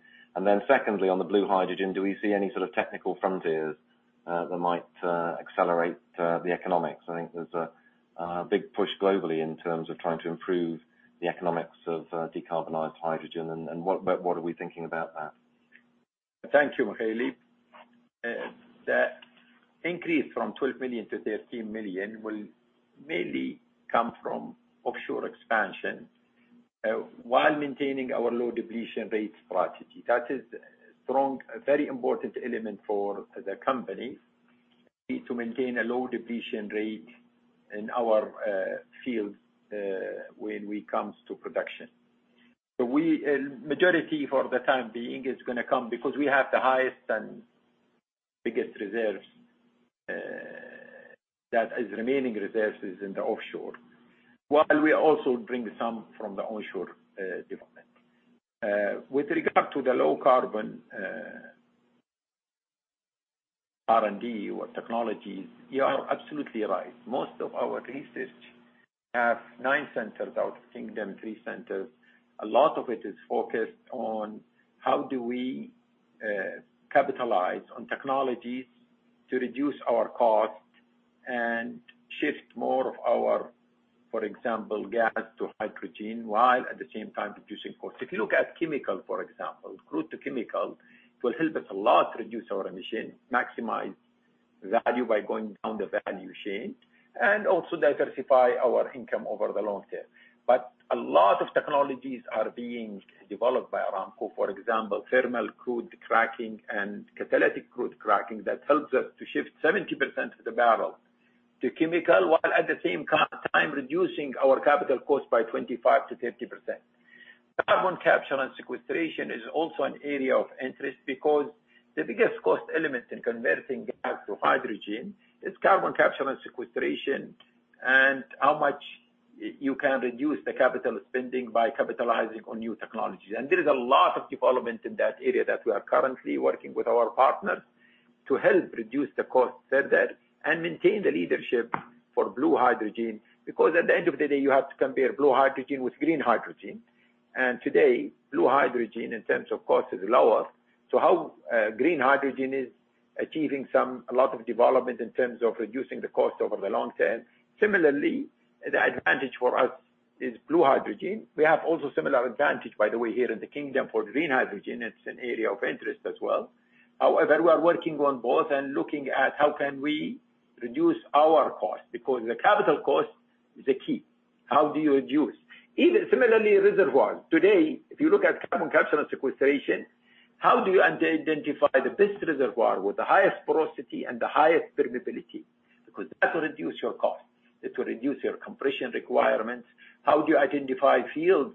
B: Secondly, on the blue hydrogen, do we see any sort of technical frontiers that might accelerate the economics? I think there's a big push globally in terms of trying to improve the economics of decarbonized hydrogen, and what are we thinking about that?
C: Thank you, Michele Della Vigna. The increase from 12 million to 13 million will mainly come from offshore expansion, while maintaining our low depletion rates strategy. That is a strong, very important element for the company, to maintain a low depletion rate in our fields when it comes to production. Majority for the time being is going to come because we have the highest and biggest reserves, that is remaining reserves, is in the offshore. We also bring some from the onshore development. With regard to the low carbon, R&D or technologies, you are absolutely right. Most of our research, we have nine centers out in the kingdom, three centers. A lot of it is focused on how do we capitalize on technologies to reduce our costs and shift more of our, for example, gas to hydrogen, while at the same time reducing costs. If you look at chemicals, for example, crude to chemicals, it will help us a lot reduce our emission, maximize value by going down the value chain, and also diversify our income over the long term. A lot of technologies are being developed by Aramco. For example, thermal crude cracking and catalytic crude cracking, that helps us to shift 70% of the barrel to chemical, while at the same time reducing our capital cost by 25%-30%. carbon capture and sequestration is also an area of interest because the biggest cost element in converting gas to hydrogen is carbon capture and sequestration, and how much you can reduce the capital spending by capitalizing on new technologies. There is a lot of development in that area that we are currently working with our partners to help reduce the cost further and maintain the leadership for blue hydrogen. Because at the end of the day, you have to compare blue hydrogen with green hydrogen. Today, blue hydrogen in terms of cost is lower. How green hydrogen is achieving a lot of development in terms of reducing the cost over the long term. Similarly, the advantage for us is blue hydrogen. We have also similar advantage, by the way, here in the kingdom for green hydrogen. It's an area of interest as well. However, we are working on both and looking at how can we reduce our cost, because the capital cost is the key. How do you reduce? Even similarly, reservoirs. Today, if you look at carbon capture and sequestration, how do you identify the best reservoir with the highest porosity and the highest permeability? Because that will reduce your cost. It will reduce your compression requirements. How do you identify fields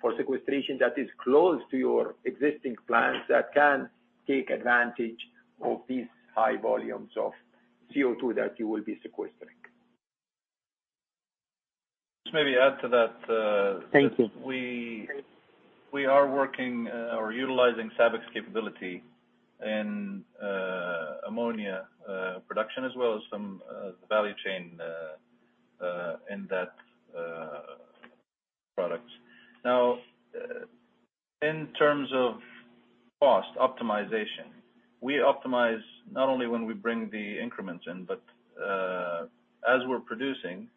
C: for sequestration that is close to your existing plants that can take advantage of these high volumes of CO2 that you will be sequestering?
D: Just maybe add to that-
I: Thank you.
D: we are working or utilizing SABIC's capability in ammonia production as well as some value chain in that product. Now, in terms of cost optimization, we optimize not only when we bring the increments in, but as we're producing.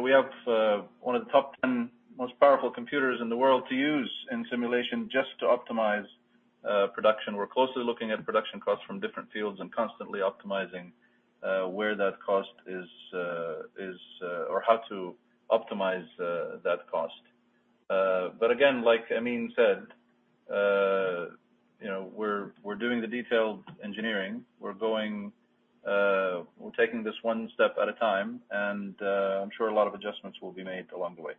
D: We have one of the top 10 most powerful computers in the world to use in simulation just to optimize production. We're closely looking at production costs from different fields and constantly optimizing where that cost is, or how to optimize that cost. But again, like Amin said, we're doing the detailed engineering. We're taking this one step at a time, and I'm sure a lot of adjustments will be made along the way.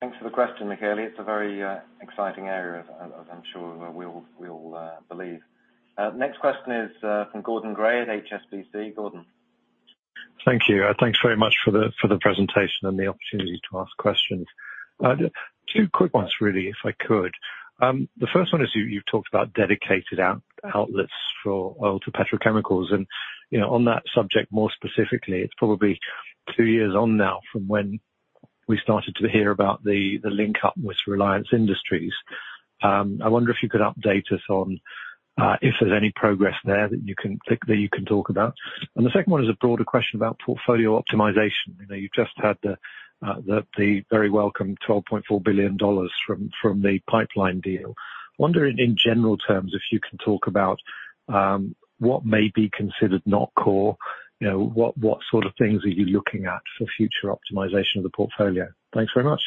B: Thanks for the question, Michele. It's a very exciting area, as I'm sure we all believe. Next question is from Gordon Gray at HSBC. Gordon?
J: Thank you. Thanks very much for the presentation and the opportunity to ask questions. Two quick ones really, if I could. The first one is you've talked about dedicated outlets for oil to petrochemicals, and on that subject more specifically, it's probably two years on now from when we started to hear about the link-up with Reliance Industries. I wonder if you could update us on if there's any progress there that you can talk about. The second one is a broader question about portfolio optimization. You've just had the very welcome $12.4 billion from the pipeline deal. Wondering in general terms, if you can talk about What may be considered not core? What sort of things are you looking at for future optimization of the portfolio? Thanks very much.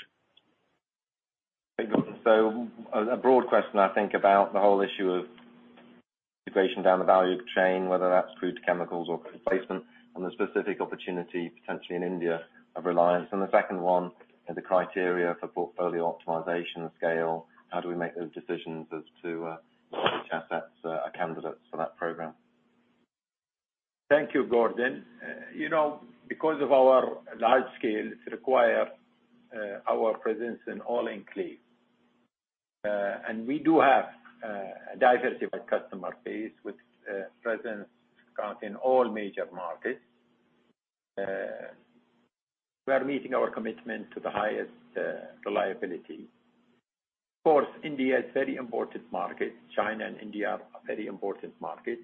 B: A broad question, I think about the whole issue of integration down the value chain, whether that's crude to chemicals or replacement and the specific opportunity potentially in India of Reliance. The second one is the criteria for portfolio optimization and scale. How do we make those decisions as to which assets are candidates for that program?
C: Thank you, Gordon. Because of our large scale, it requires our presence in all enclaves. We do have a diversified customer base with presence account in all major markets. We are meeting our commitment to the highest reliability. Of course, India is very important market. China and India are very important markets.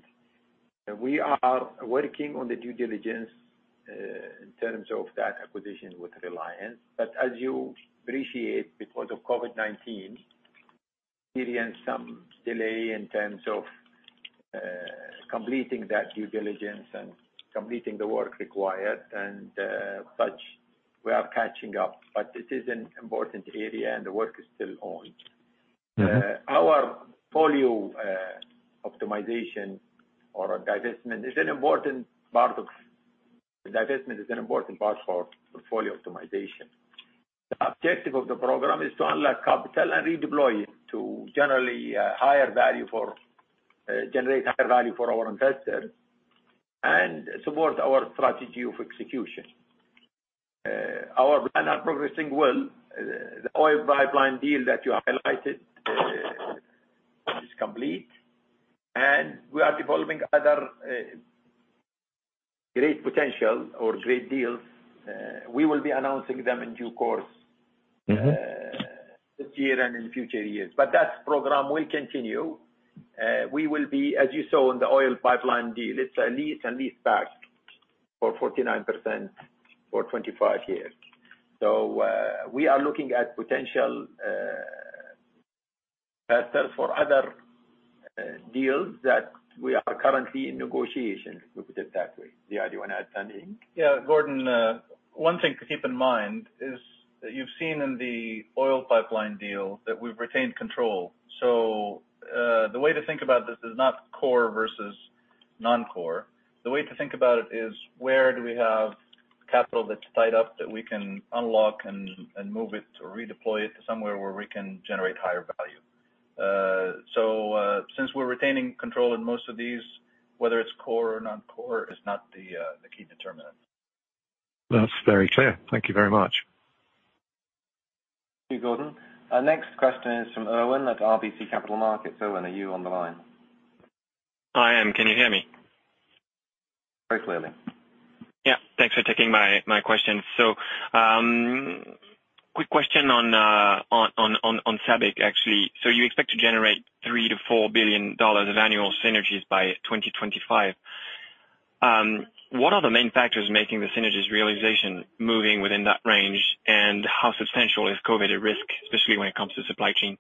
C: We are working on the due diligence in terms of that acquisition with Reliance. As you appreciate, because of COVID-19, we experienced some delay in terms of completing that due diligence and completing the work required and such. We are catching up, but it is an important area and the work is still on. Divestment is an important part for portfolio optimization. The objective of the program is to unlock capital and redeploy it to generate higher value for our investors and support our strategy of execution. Our plan are progressing well. The oil pipeline deal that you highlighted is complete. We are developing other great potential or great deals. We will be announcing them in due course. this year and in future years. That program will continue. We will be, as you saw in the oil pipeline deal, it's a lease and lease back for 49% for 25 years. We are looking at potential assets for other deals that we are currently in negotiation, let me put it that way. Ziad, do you want to add something?
D: Yeah, Gordon, one thing to keep in mind is that you've seen in the oil pipeline deal that we've retained control. The way to think about this is not core versus non-core. The way to think about it is where do we have capital that's tied up that we can unlock and move it or redeploy it to somewhere where we can generate higher value? Since we're retaining control in most of these, whether it's core or non-core is not the key determinant.
B: That's very clear. Thank you very much. Thank you, Gordon. Our next question is from Biraj at RBC Capital Markets. Biraj, are you on the line?
K: I am. Can you hear me?
B: Very clearly.
K: Yeah. Thanks for taking my question. quick question on SABIC, actually. you expect to generate $3 billion-$4 billion of annual synergies by 2025. What are the main factors making the synergies realization moving within that range, and how substantial is COVID at risk, especially when it comes to supply chain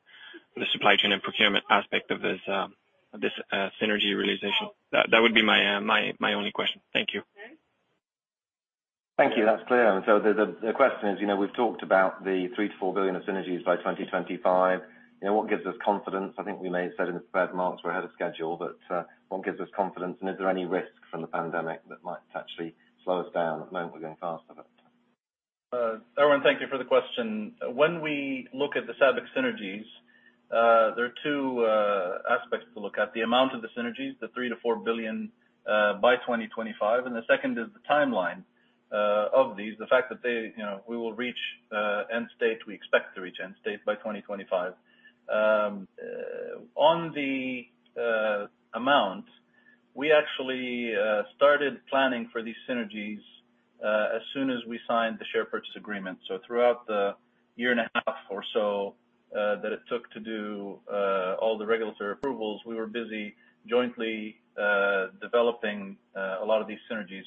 K: and procurement aspect of this synergy realization? That would be my only question. Thank you.
B: Thank you. That's clear. The question is, we've talked about the $3 billion-$4 billion of synergies by 2025. What gives us confidence? I think we may have said in the prepared remarks we're ahead of schedule, but what gives us confidence, and is there any risk from the pandemic that might actually slow us down? At the moment, we're going faster.
D: Biraj, thank you for the question. When we look at the SABIC synergies, there are two aspects to look at, the amount of the synergies, the $3 billion-$4 billion, by 2025, and the second is the timeline of these. The fact that we will reach end state, we expect to reach end state by 2025. On the amount, we actually started planning for these synergies, as soon as we signed the share purchase agreement. Throughout the year and a half or so that it took to do all the regulatory approvals, we were busy jointly developing a lot of these synergies.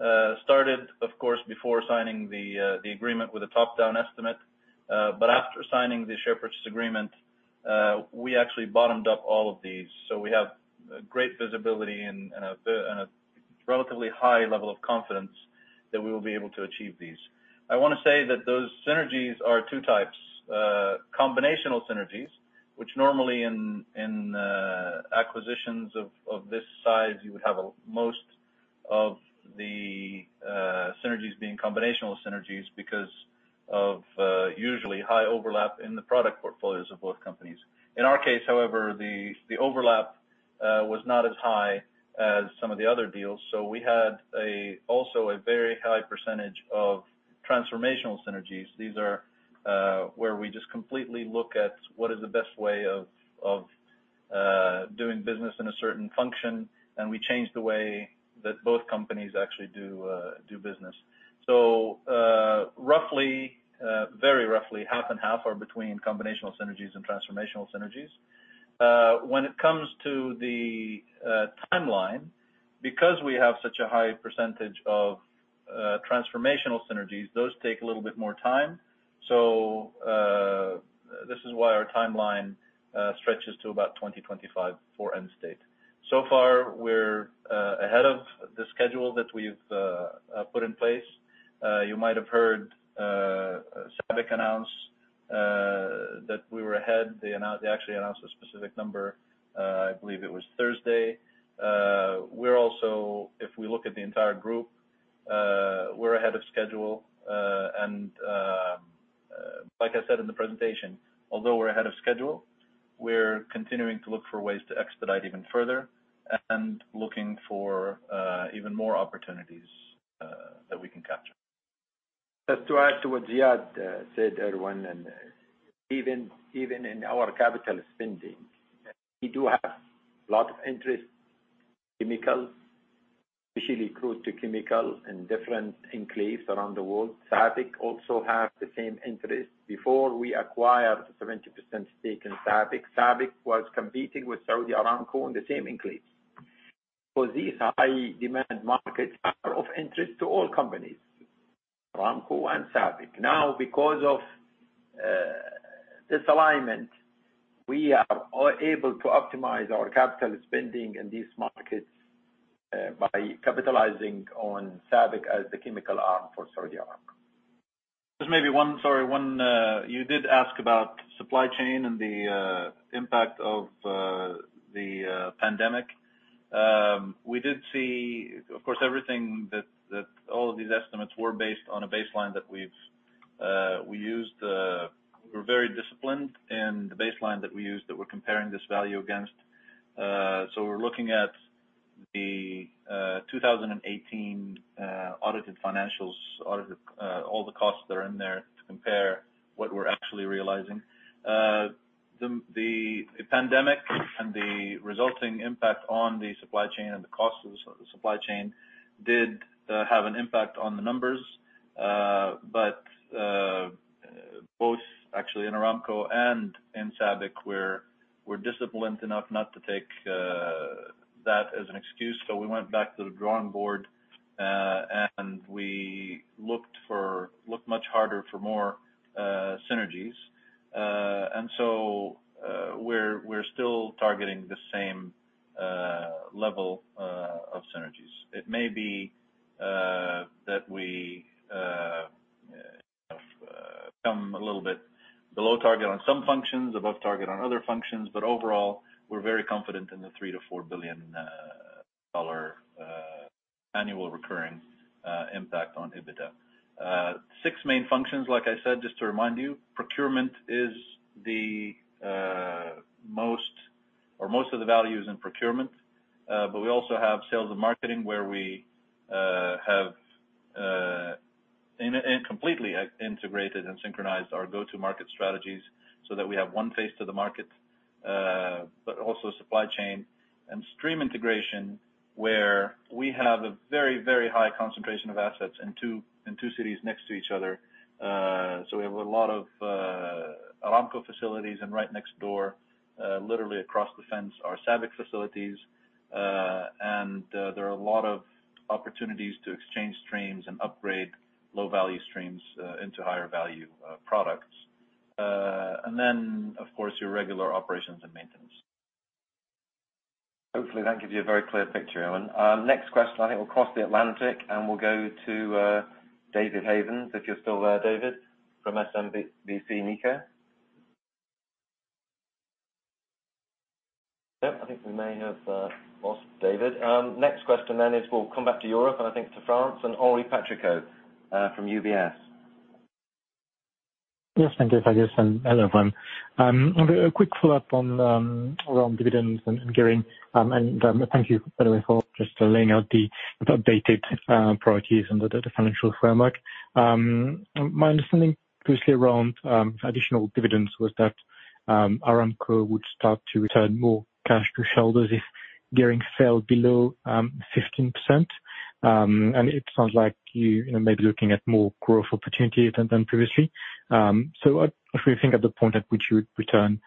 D: We started, of course, before signing the agreement with a top-down estimate. After signing the share purchase agreement, we actually bottomed up all of these. We have great visibility and a relatively high level of confidence that we will be able to achieve these. I want to say that those synergies are two types. Combinational synergies, which normally in acquisitions of this size, you would have most of the synergies being combinational synergies because of usually high overlap in the product portfolios of both companies. In our case, however, the overlap was not as high as some of the other deals. We had also a very high percentage of transformational synergies. These are where we just completely look at what is the best way of doing business in a certain function, and we change the way that both companies actually do business. Very roughly half and half are between combinational synergies and transformational synergies. When it comes to the timeline. Because we have such a high percentage of transformational synergies, those take a little bit more time. This is why our timeline stretches to about 2025 for end state. So far, we're ahead of the schedule that we've put in place. You might have heard SABIC announce that we were ahead. They actually announced a specific number, I believe it was Thursday. We're also, if we look at the entire group, we're ahead of schedule. Like I said in the presentation, although we're ahead of schedule, we're continuing to look for ways to expedite even further and looking for even more opportunities that we can capture.
C: Just to add to what Ziad said, everyone, and even in our capital spending, we do have lot of interest chemicals, especially crude to chemical in different enclaves around the world. SABIC also have the same interest. Before we acquired 70% stake in SABIC was competing with Saudi Aramco in the same enclaves. For these high-demand markets are of interest to all companies, Aramco and SABIC. Now, because of this alignment, we are able to optimize our capital spending in these markets by capitalizing on SABIC as the chemical arm for Saudi Aramco.
D: Just maybe, sorry, you did ask about supply chain and the impact of the pandemic. We did see, of course, everything that all of these estimates were based on a baseline that we used. We're very disciplined in the baseline that we used, that we're comparing this value against. We're looking at the 2018 audited financials, all the costs that are in there to compare what we're actually realizing. The pandemic and the resulting impact on the supply chain and the cost of the supply chain did have an impact on the numbers. Both, actually, in Aramco and in SABIC, we're disciplined enough not to take that as an excuse. We went back to the drawing board, and we looked much harder for more synergies. We're still targeting the same level of synergies. Overall, we're very confident in the $3 billion-$4 billion annual recurring impact on EBITDA. 6 main functions, like I said, just to remind you. Most of the value is in procurement. We also have sales and marketing where we have completely integrated and synchronized our go-to-market strategies so that we have one face to the market. Also supply chain and stream integration, where we have a very high concentration of assets in two cities next to each other. We have a lot of Aramco facilities and right next door, literally across the fence, are SABIC facilities. There are a lot of opportunities to exchange streams and upgrade low-value streams into higher-value products. Then, of course, your regular operations and maintenance.
B: Hopefully, that gives you a very clear picture, everyone. Next question, I think we'll cross the Atlantic, and we'll go to David Havens. If you're still there, David, from SMBC Nikko? No, I think we may have lost David. Next question then is we'll come back to Europe and I think to France and Henri Patricot from UBS.
L: Yes. Thank you, Fergus, and hello, everyone. A quick follow-up around dividends and gearing, and thank you, by the way, for just laying out the updated priorities and the financial framework. My understanding previously around additional dividends was that Aramco would start to return more cash to shareholders if gearing fell below 15%. It sounds like you may be looking at more growth opportunities than previously. If we think of the point at which you would return,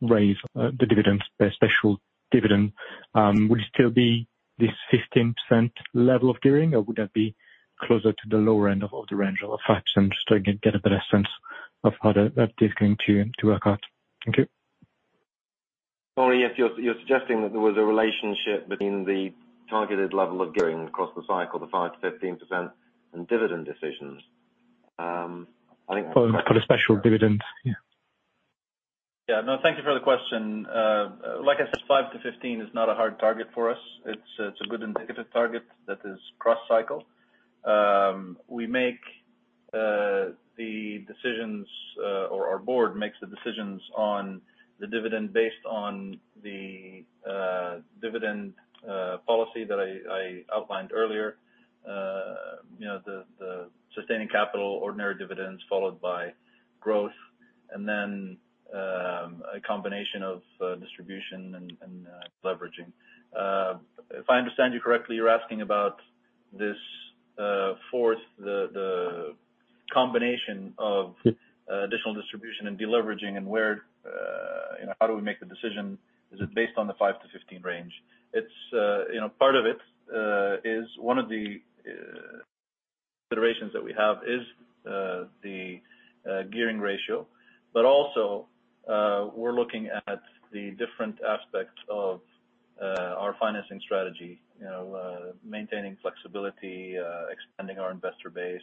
L: raise the dividends, a special dividend, would it still be this 15% level of gearing, or would that be closer to the lower end of the range of 5%? Just to get a better sense of how that is going to work out. Thank you.
B: Henri, if you're suggesting that there was a relationship between the targeted level of gearing across the cycle, the 5%-15%, and dividend decisions.
L: For the special dividend. Yeah.
D: Yeah. No, thank you for the question. Like I said, 5%-15% is not a hard target for us. It's a good indicative target that is cross-cycle. We make the decisions, or our board makes the decisions on the dividend based on the dividend policy that I outlined earlier. The sustaining capital ordinary dividends followed by growth, and then a combination of distribution and leveraging. If I understand you correctly, you're asking about this fourth, the combination of additional distribution and de-leveraging, and how do we make the decision? Is it based on the 5%-15% range? One of the considerations that we have is the gearing ratio. Also, we're looking at the different aspects of our financing strategy. Maintaining flexibility, expanding our investor base,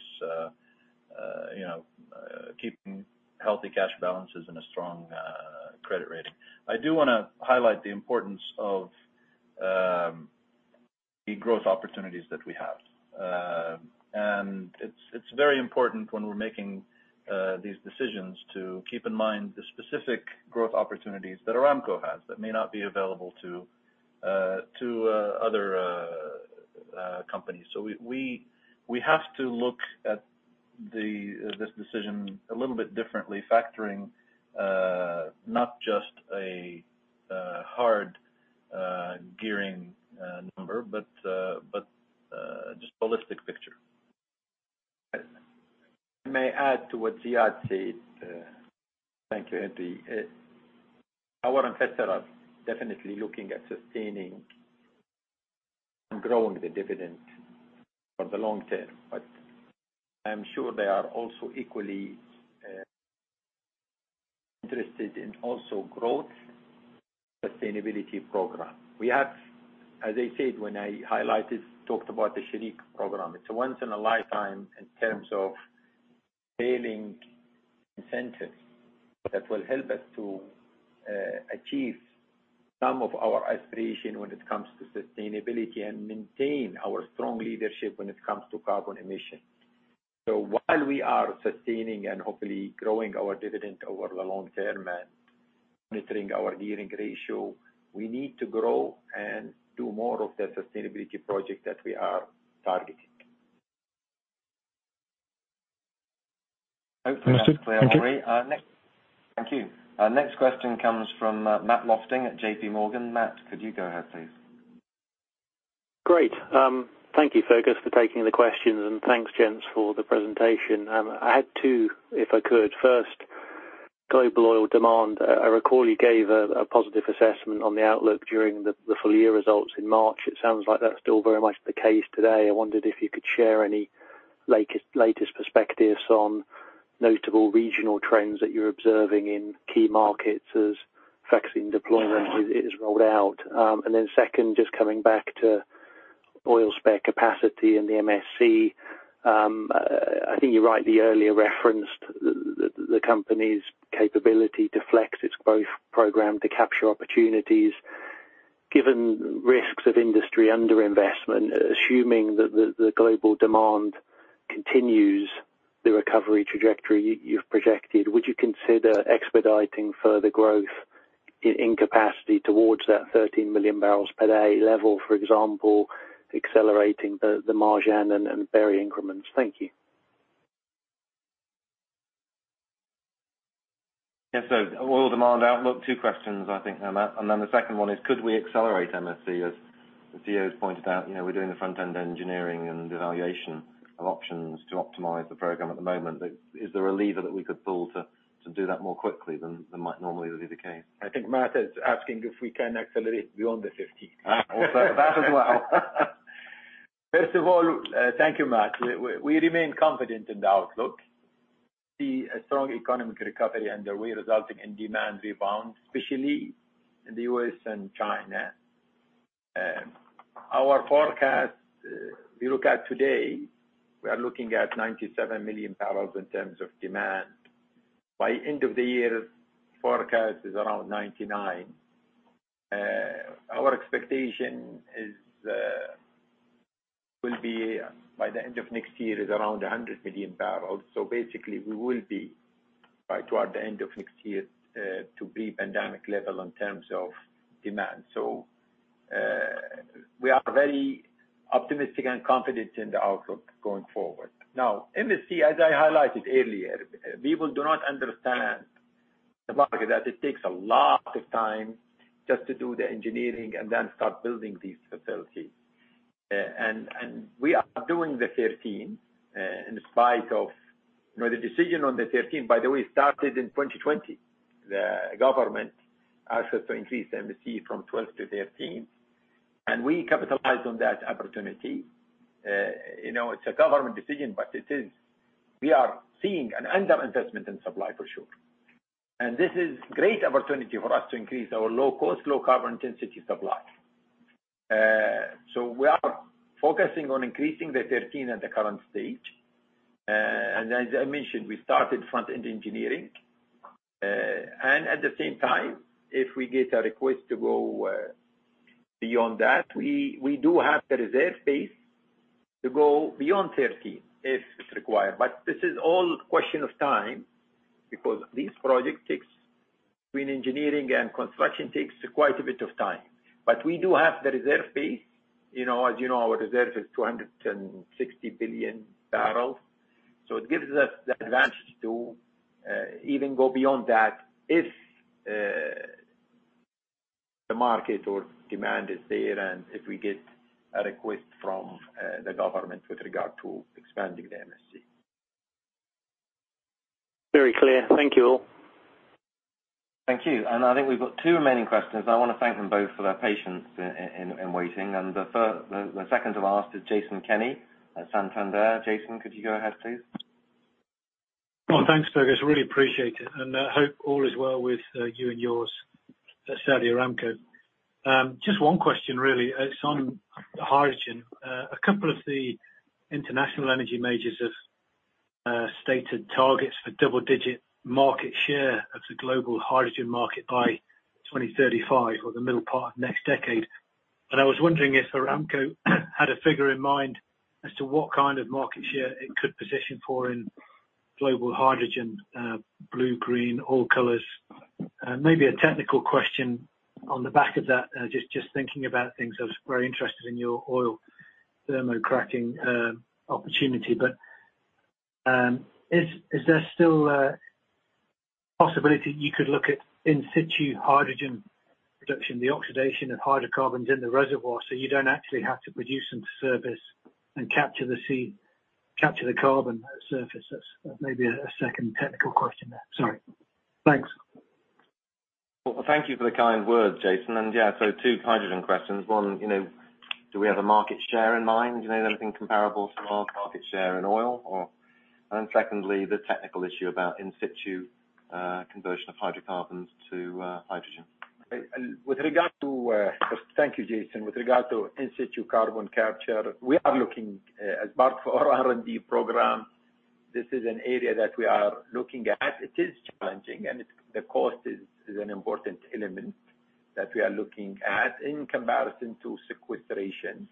D: keeping healthy cash balances and a strong credit rating. I do want to highlight the importance of the growth opportunities that we have. It's very important when we're making these decisions to keep in mind the specific growth opportunities that Aramco has that may not be available to other companies. We have to look at this decision a little bit differently, factoring not just a hard gearing number, but just holistic picture.
C: If I may add to what Ziad said. Thank you, Henri. Our investors are definitely looking at sustaining and growing the dividend for the long term. I am sure they are also equally interested in also growth sustainability program. We have, as I said, when I highlighted, talked about the Shareek Program. It's a once in a lifetime in terms of hailing incentives that will help us to achieve some of our aspiration when it comes to sustainability and maintain our strong leadership when it comes to carbon emission. While we are sustaining and hopefully growing our dividend over the long term and monitoring our gearing ratio, we need to grow and do more of the sustainability project that we are targeting.
L: Understood. Thank you.
B: Hopefully that's clear. Thank you. Our next question comes from Matt Lofting at JPMorgan. Matt, could you go ahead, please?
M: Great. Thank you, Fergus, for taking the questions. Thanks gents for the presentation. I had two, if I could. First, global oil demand. I recall you gave a positive assessment on the outlook during the full year results in March. It sounds like that's still very much the case today. I wondered if you could share any latest perspectives on notable regional trends that you're observing in key markets as vaccine deployment is rolled out. Then second, just coming back to oil spare capacity and the MSC. I think you rightly earlier referenced the company's capability to flex its growth program to capture opportunities. Given risks of industry under investment, assuming that the global demand continues the recovery trajectory you've projected, would you consider expediting further growth in capacity towards that 13 million barrels per day level? For example, accelerating the Marjan and Berri increments. Thank you.
B: Oil demand outlook, two questions, I think, Matt. The second one is could we accelerate MSC? As Ziad's pointed out, we're doing the front-end engineering and evaluation of options to optimize the program at the moment. Is there a lever that we could pull to do that more quickly than might normally would be the case?
C: I think Matt is asking if we can accelerate beyond the 15.
B: Also, that as well.
C: First of all, thank you, Matt. We remain confident in the outlook. We see a strong economic recovery underway resulting in demand rebound, especially in the U.S. and China. Our forecast, we look at today, we are looking at 97 million barrels in terms of demand. By end of the year, forecast is around 99. Our expectation will be by the end of next year is around 100 million barrels. Basically, we will be by toward the end of next year to pre-pandemic level in terms of demand. We are very optimistic and confident in the outlook going forward. MSC, as I highlighted earlier, people do not understand the market, that it takes a lot of time just to do the engineering and then start building these facilities. We are doing the 13 in spite of the decision on the 13, by the way, started in 2020. The government asked us to increase MSC from 12 to 13, and we capitalized on that opportunity. It's a government decision, we are seeing an under-investment in supply for sure. This is great opportunity for us to increase our low cost, low carbon intensity supply. We are focusing on increasing the 13 at the current stage. As I mentioned, we started front-end engineering. At the same time, if we get a request to go beyond that, we do have the reserve space to go beyond 13, if it's required. This is all question of time because this project takes, between engineering and construction, takes quite a bit of time. We do have the reserve space. As you know, our reserve is 260 billion barrels. It gives us the advantage to even go beyond that if the market or demand is there, and if we get a request from the government with regard to expanding the MSC.
M: Very clear. Thank you all.
B: Thank you. I think we've got two remaining questions. I want to thank them both for their patience in waiting. The second to last is Jason Kenney at Santander. Jason, could you go ahead, please?
N: Well, thanks, Fergus, really appreciate it, and hope all is well with you and yours at Saudi Aramco. Just one question really. It's on hydrogen. A couple of the international energy majors have stated targets for double-digit market share of the global hydrogen market by 2035 or the middle part of next decade. I was wondering if Aramco had a figure in mind as to what kind of market share it could position for in global hydrogen, blue, green, all colors. Maybe a technical question on the back of that, just thinking about things, I was very interested in your oil thermo-cracking opportunity. Is there still a possibility you could look at in situ hydrogen production, the oxidation of hydrocarbons in the reservoir, so you don't actually have to produce them to surface and capture the carbon at surface? That's maybe a second technical question there. Sorry. Thanks.
B: Well, thank you for the kind words, Jason. Yeah, so two hydrogen questions. One, do we have a market share in mind? Is there anything comparable to our market share in oil or Secondly, the technical issue about in situ conversion of hydrocarbons to hydrogen.
C: Thank you, Jason. With regard to in situ carbon capture, we are looking, as part of our R&D program. This is an area that we are looking at. It is challenging, and the cost is an important element that we are looking at in comparison to sequestration,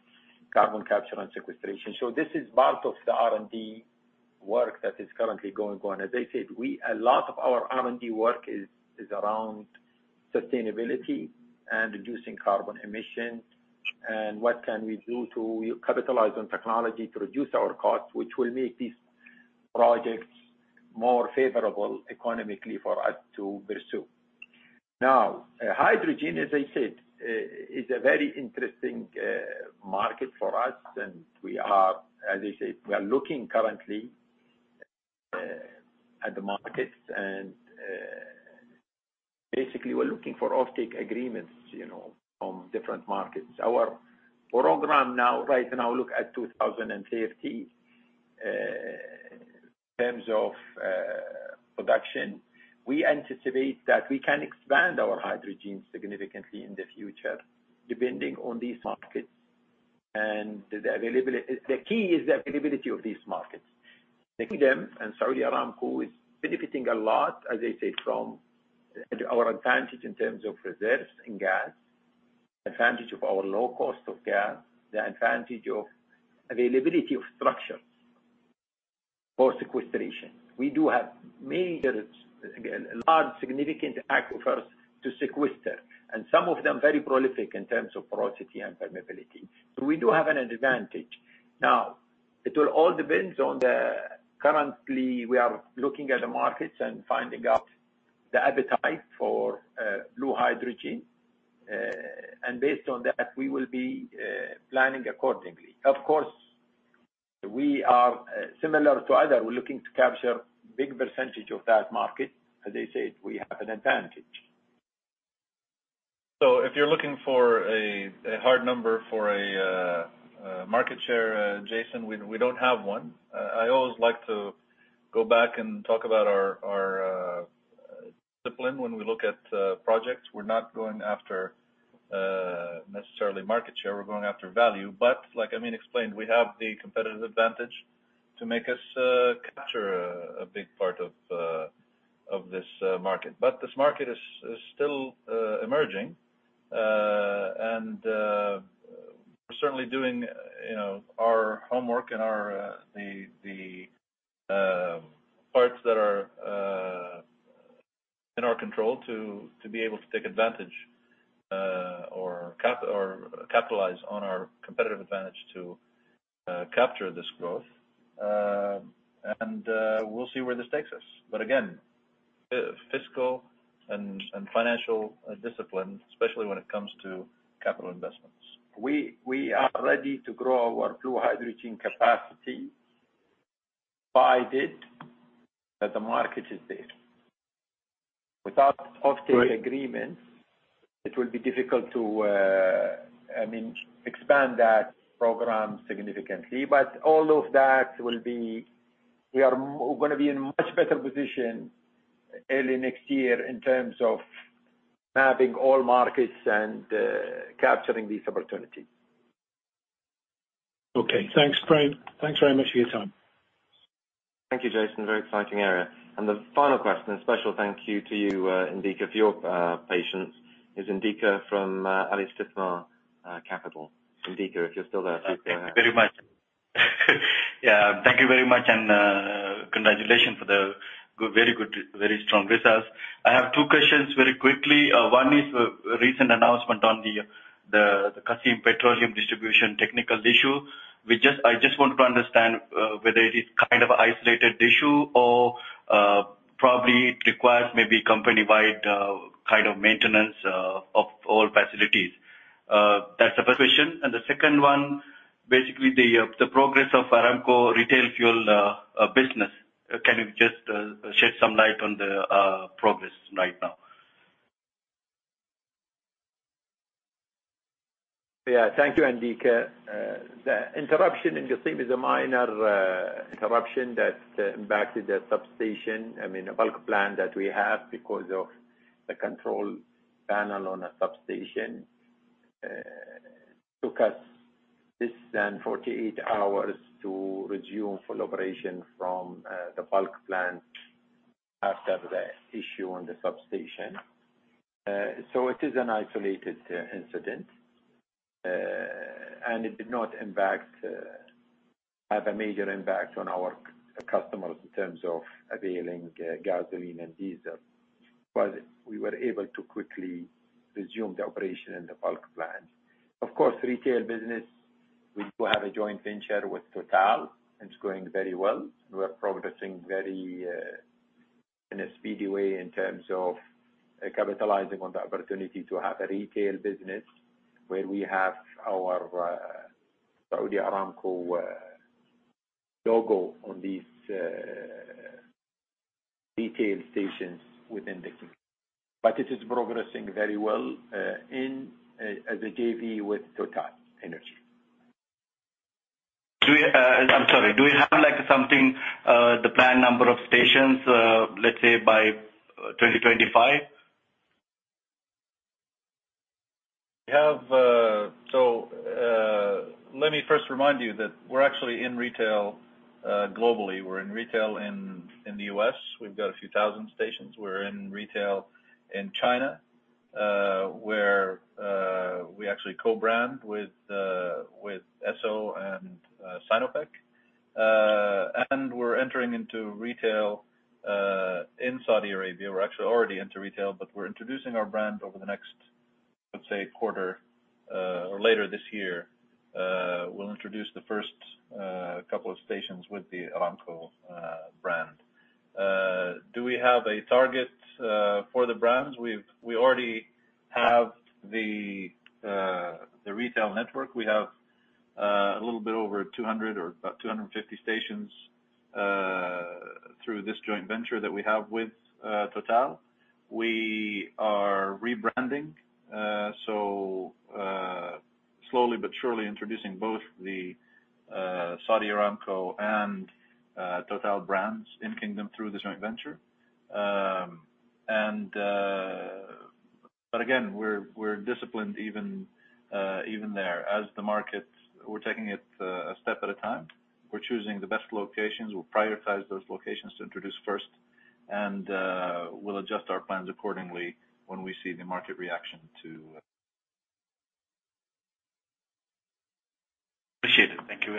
C: carbon capture and sequestration. This is part of the R&D work that is currently going on. As I said, a lot of our R&D work is around sustainability and reducing carbon emissions, and what can we do to capitalize on technology to reduce our costs, which will make these projects more favorable economically for us to pursue. Hydrogen, as I said, is a very interesting market for us, and we are, as I said, we are looking currently at the markets and basically, we're looking for offtake agreements from different markets. Our program now, right now, look at 2030, in terms of production. We anticipate that we can expand our hydrogen significantly in the future depending on these markets and the availability. The key is the availability of these markets. The kingdom and Saudi Aramco is benefiting a lot, as I said, from our advantage in terms of reserves and gas, advantage of our low cost of gas, the advantage of availability of structures for sequestration. We do have major, large, significant aquifers to sequester, and some of them very prolific in terms of porosity and permeability. We do have an advantage. Currently, we are looking at the markets and finding out the appetite for blue hydrogen. Based on that, we will be planning accordingly. Of course, we are similar to other. We're looking to capture big percentage of that market. As I said, we have an advantage.
D: If you're looking for a hard number for a market share, Jason, we don't have one. I always like to go back and talk about our discipline when we look at projects. We're not going after necessarily market share, we're going after value. Like Amin explained, we have the competitive advantage to make us capture a big part of this market. This market is still emerging. We're certainly doing our homework in the parts that are in our control to be able to take advantage or capitalize on our competitive advantage to capture this growth. We'll see where this takes us. Again, fiscal and financial discipline, especially when it comes to capital investments.
C: We are ready to grow our blue hydrogen capacity, provided that the market is there. Without offtake agreements, it will be difficult to expand that program significantly. We are going to be in much better position early next year in terms of mapping all markets and capturing these opportunities.
N: Okay. Thanks. Great. Thanks very much for your time.
B: Thank you, Jason. Very exciting area. The final question, a special thank you to you, Indika, for your patience, is Indika from Alistithmar Capital. Indika, if you're still there, please go ahead.
O: Thank you very much. Yeah. Thank you very much, and congratulations for the very good, very strong results. I have two questions very quickly. One is recent announcement on the Qassim petroleum distribution technical issue. I just want to understand whether it is kind of a isolated issue Probably it requires maybe company-wide maintenance of all facilities? That's the first question. The second one, basically the progress of Aramco retail fuel business. Can you just shed some light on the progress right now?
C: Yeah, thank you, Indika. The interruption in Qassim is a minor interruption that impacted the substation. I mean, a bulk plant that we have because of the control panel on a substation, took us less than 48 hours to resume full operation from the bulk plant after the issue on the substation. It is an isolated incident, and it did not have a major impact on our customers in terms of availing gasoline and diesel. We were able to quickly resume the operation in the bulk plant. Of course, retail business, we do have a joint venture with Total. It's going very well. We're progressing very in a speedy way in terms of capitalizing on the opportunity to have a retail business, where we have our Saudi Aramco logo on these retail stations within the kingdom. It is progressing very well as a JV with TotalEnergies.
O: Do we have something, the planned number of stations, let's say, by 2025?
D: Let me first remind you that we're actually in retail globally. We're in retail in the U.S. We've got a few thousand stations. We're in retail in China, where we actually co-brand with Esso and Sinopec. We're entering into retail in Saudi Arabia. We're actually already into retail, but we're introducing our brand over the next, let's say, quarter, or later this year. We'll introduce the first couple of stations with the Aramco brand. Do we have a target for the brands? We already have the retail network. We have a little bit over 200 or about 250 stations through this joint venture that we have with Total. We are rebranding. Slowly but surely introducing both the Saudi Aramco and Total brands in Kingdom through the joint venture. Again, we're disciplined even there. As the market, we're taking it a step at a time. We're choosing the best locations. We'll prioritize those locations to introduce first, and we'll adjust our plans accordingly when we see the market reaction to
O: Appreciate it. Thank you.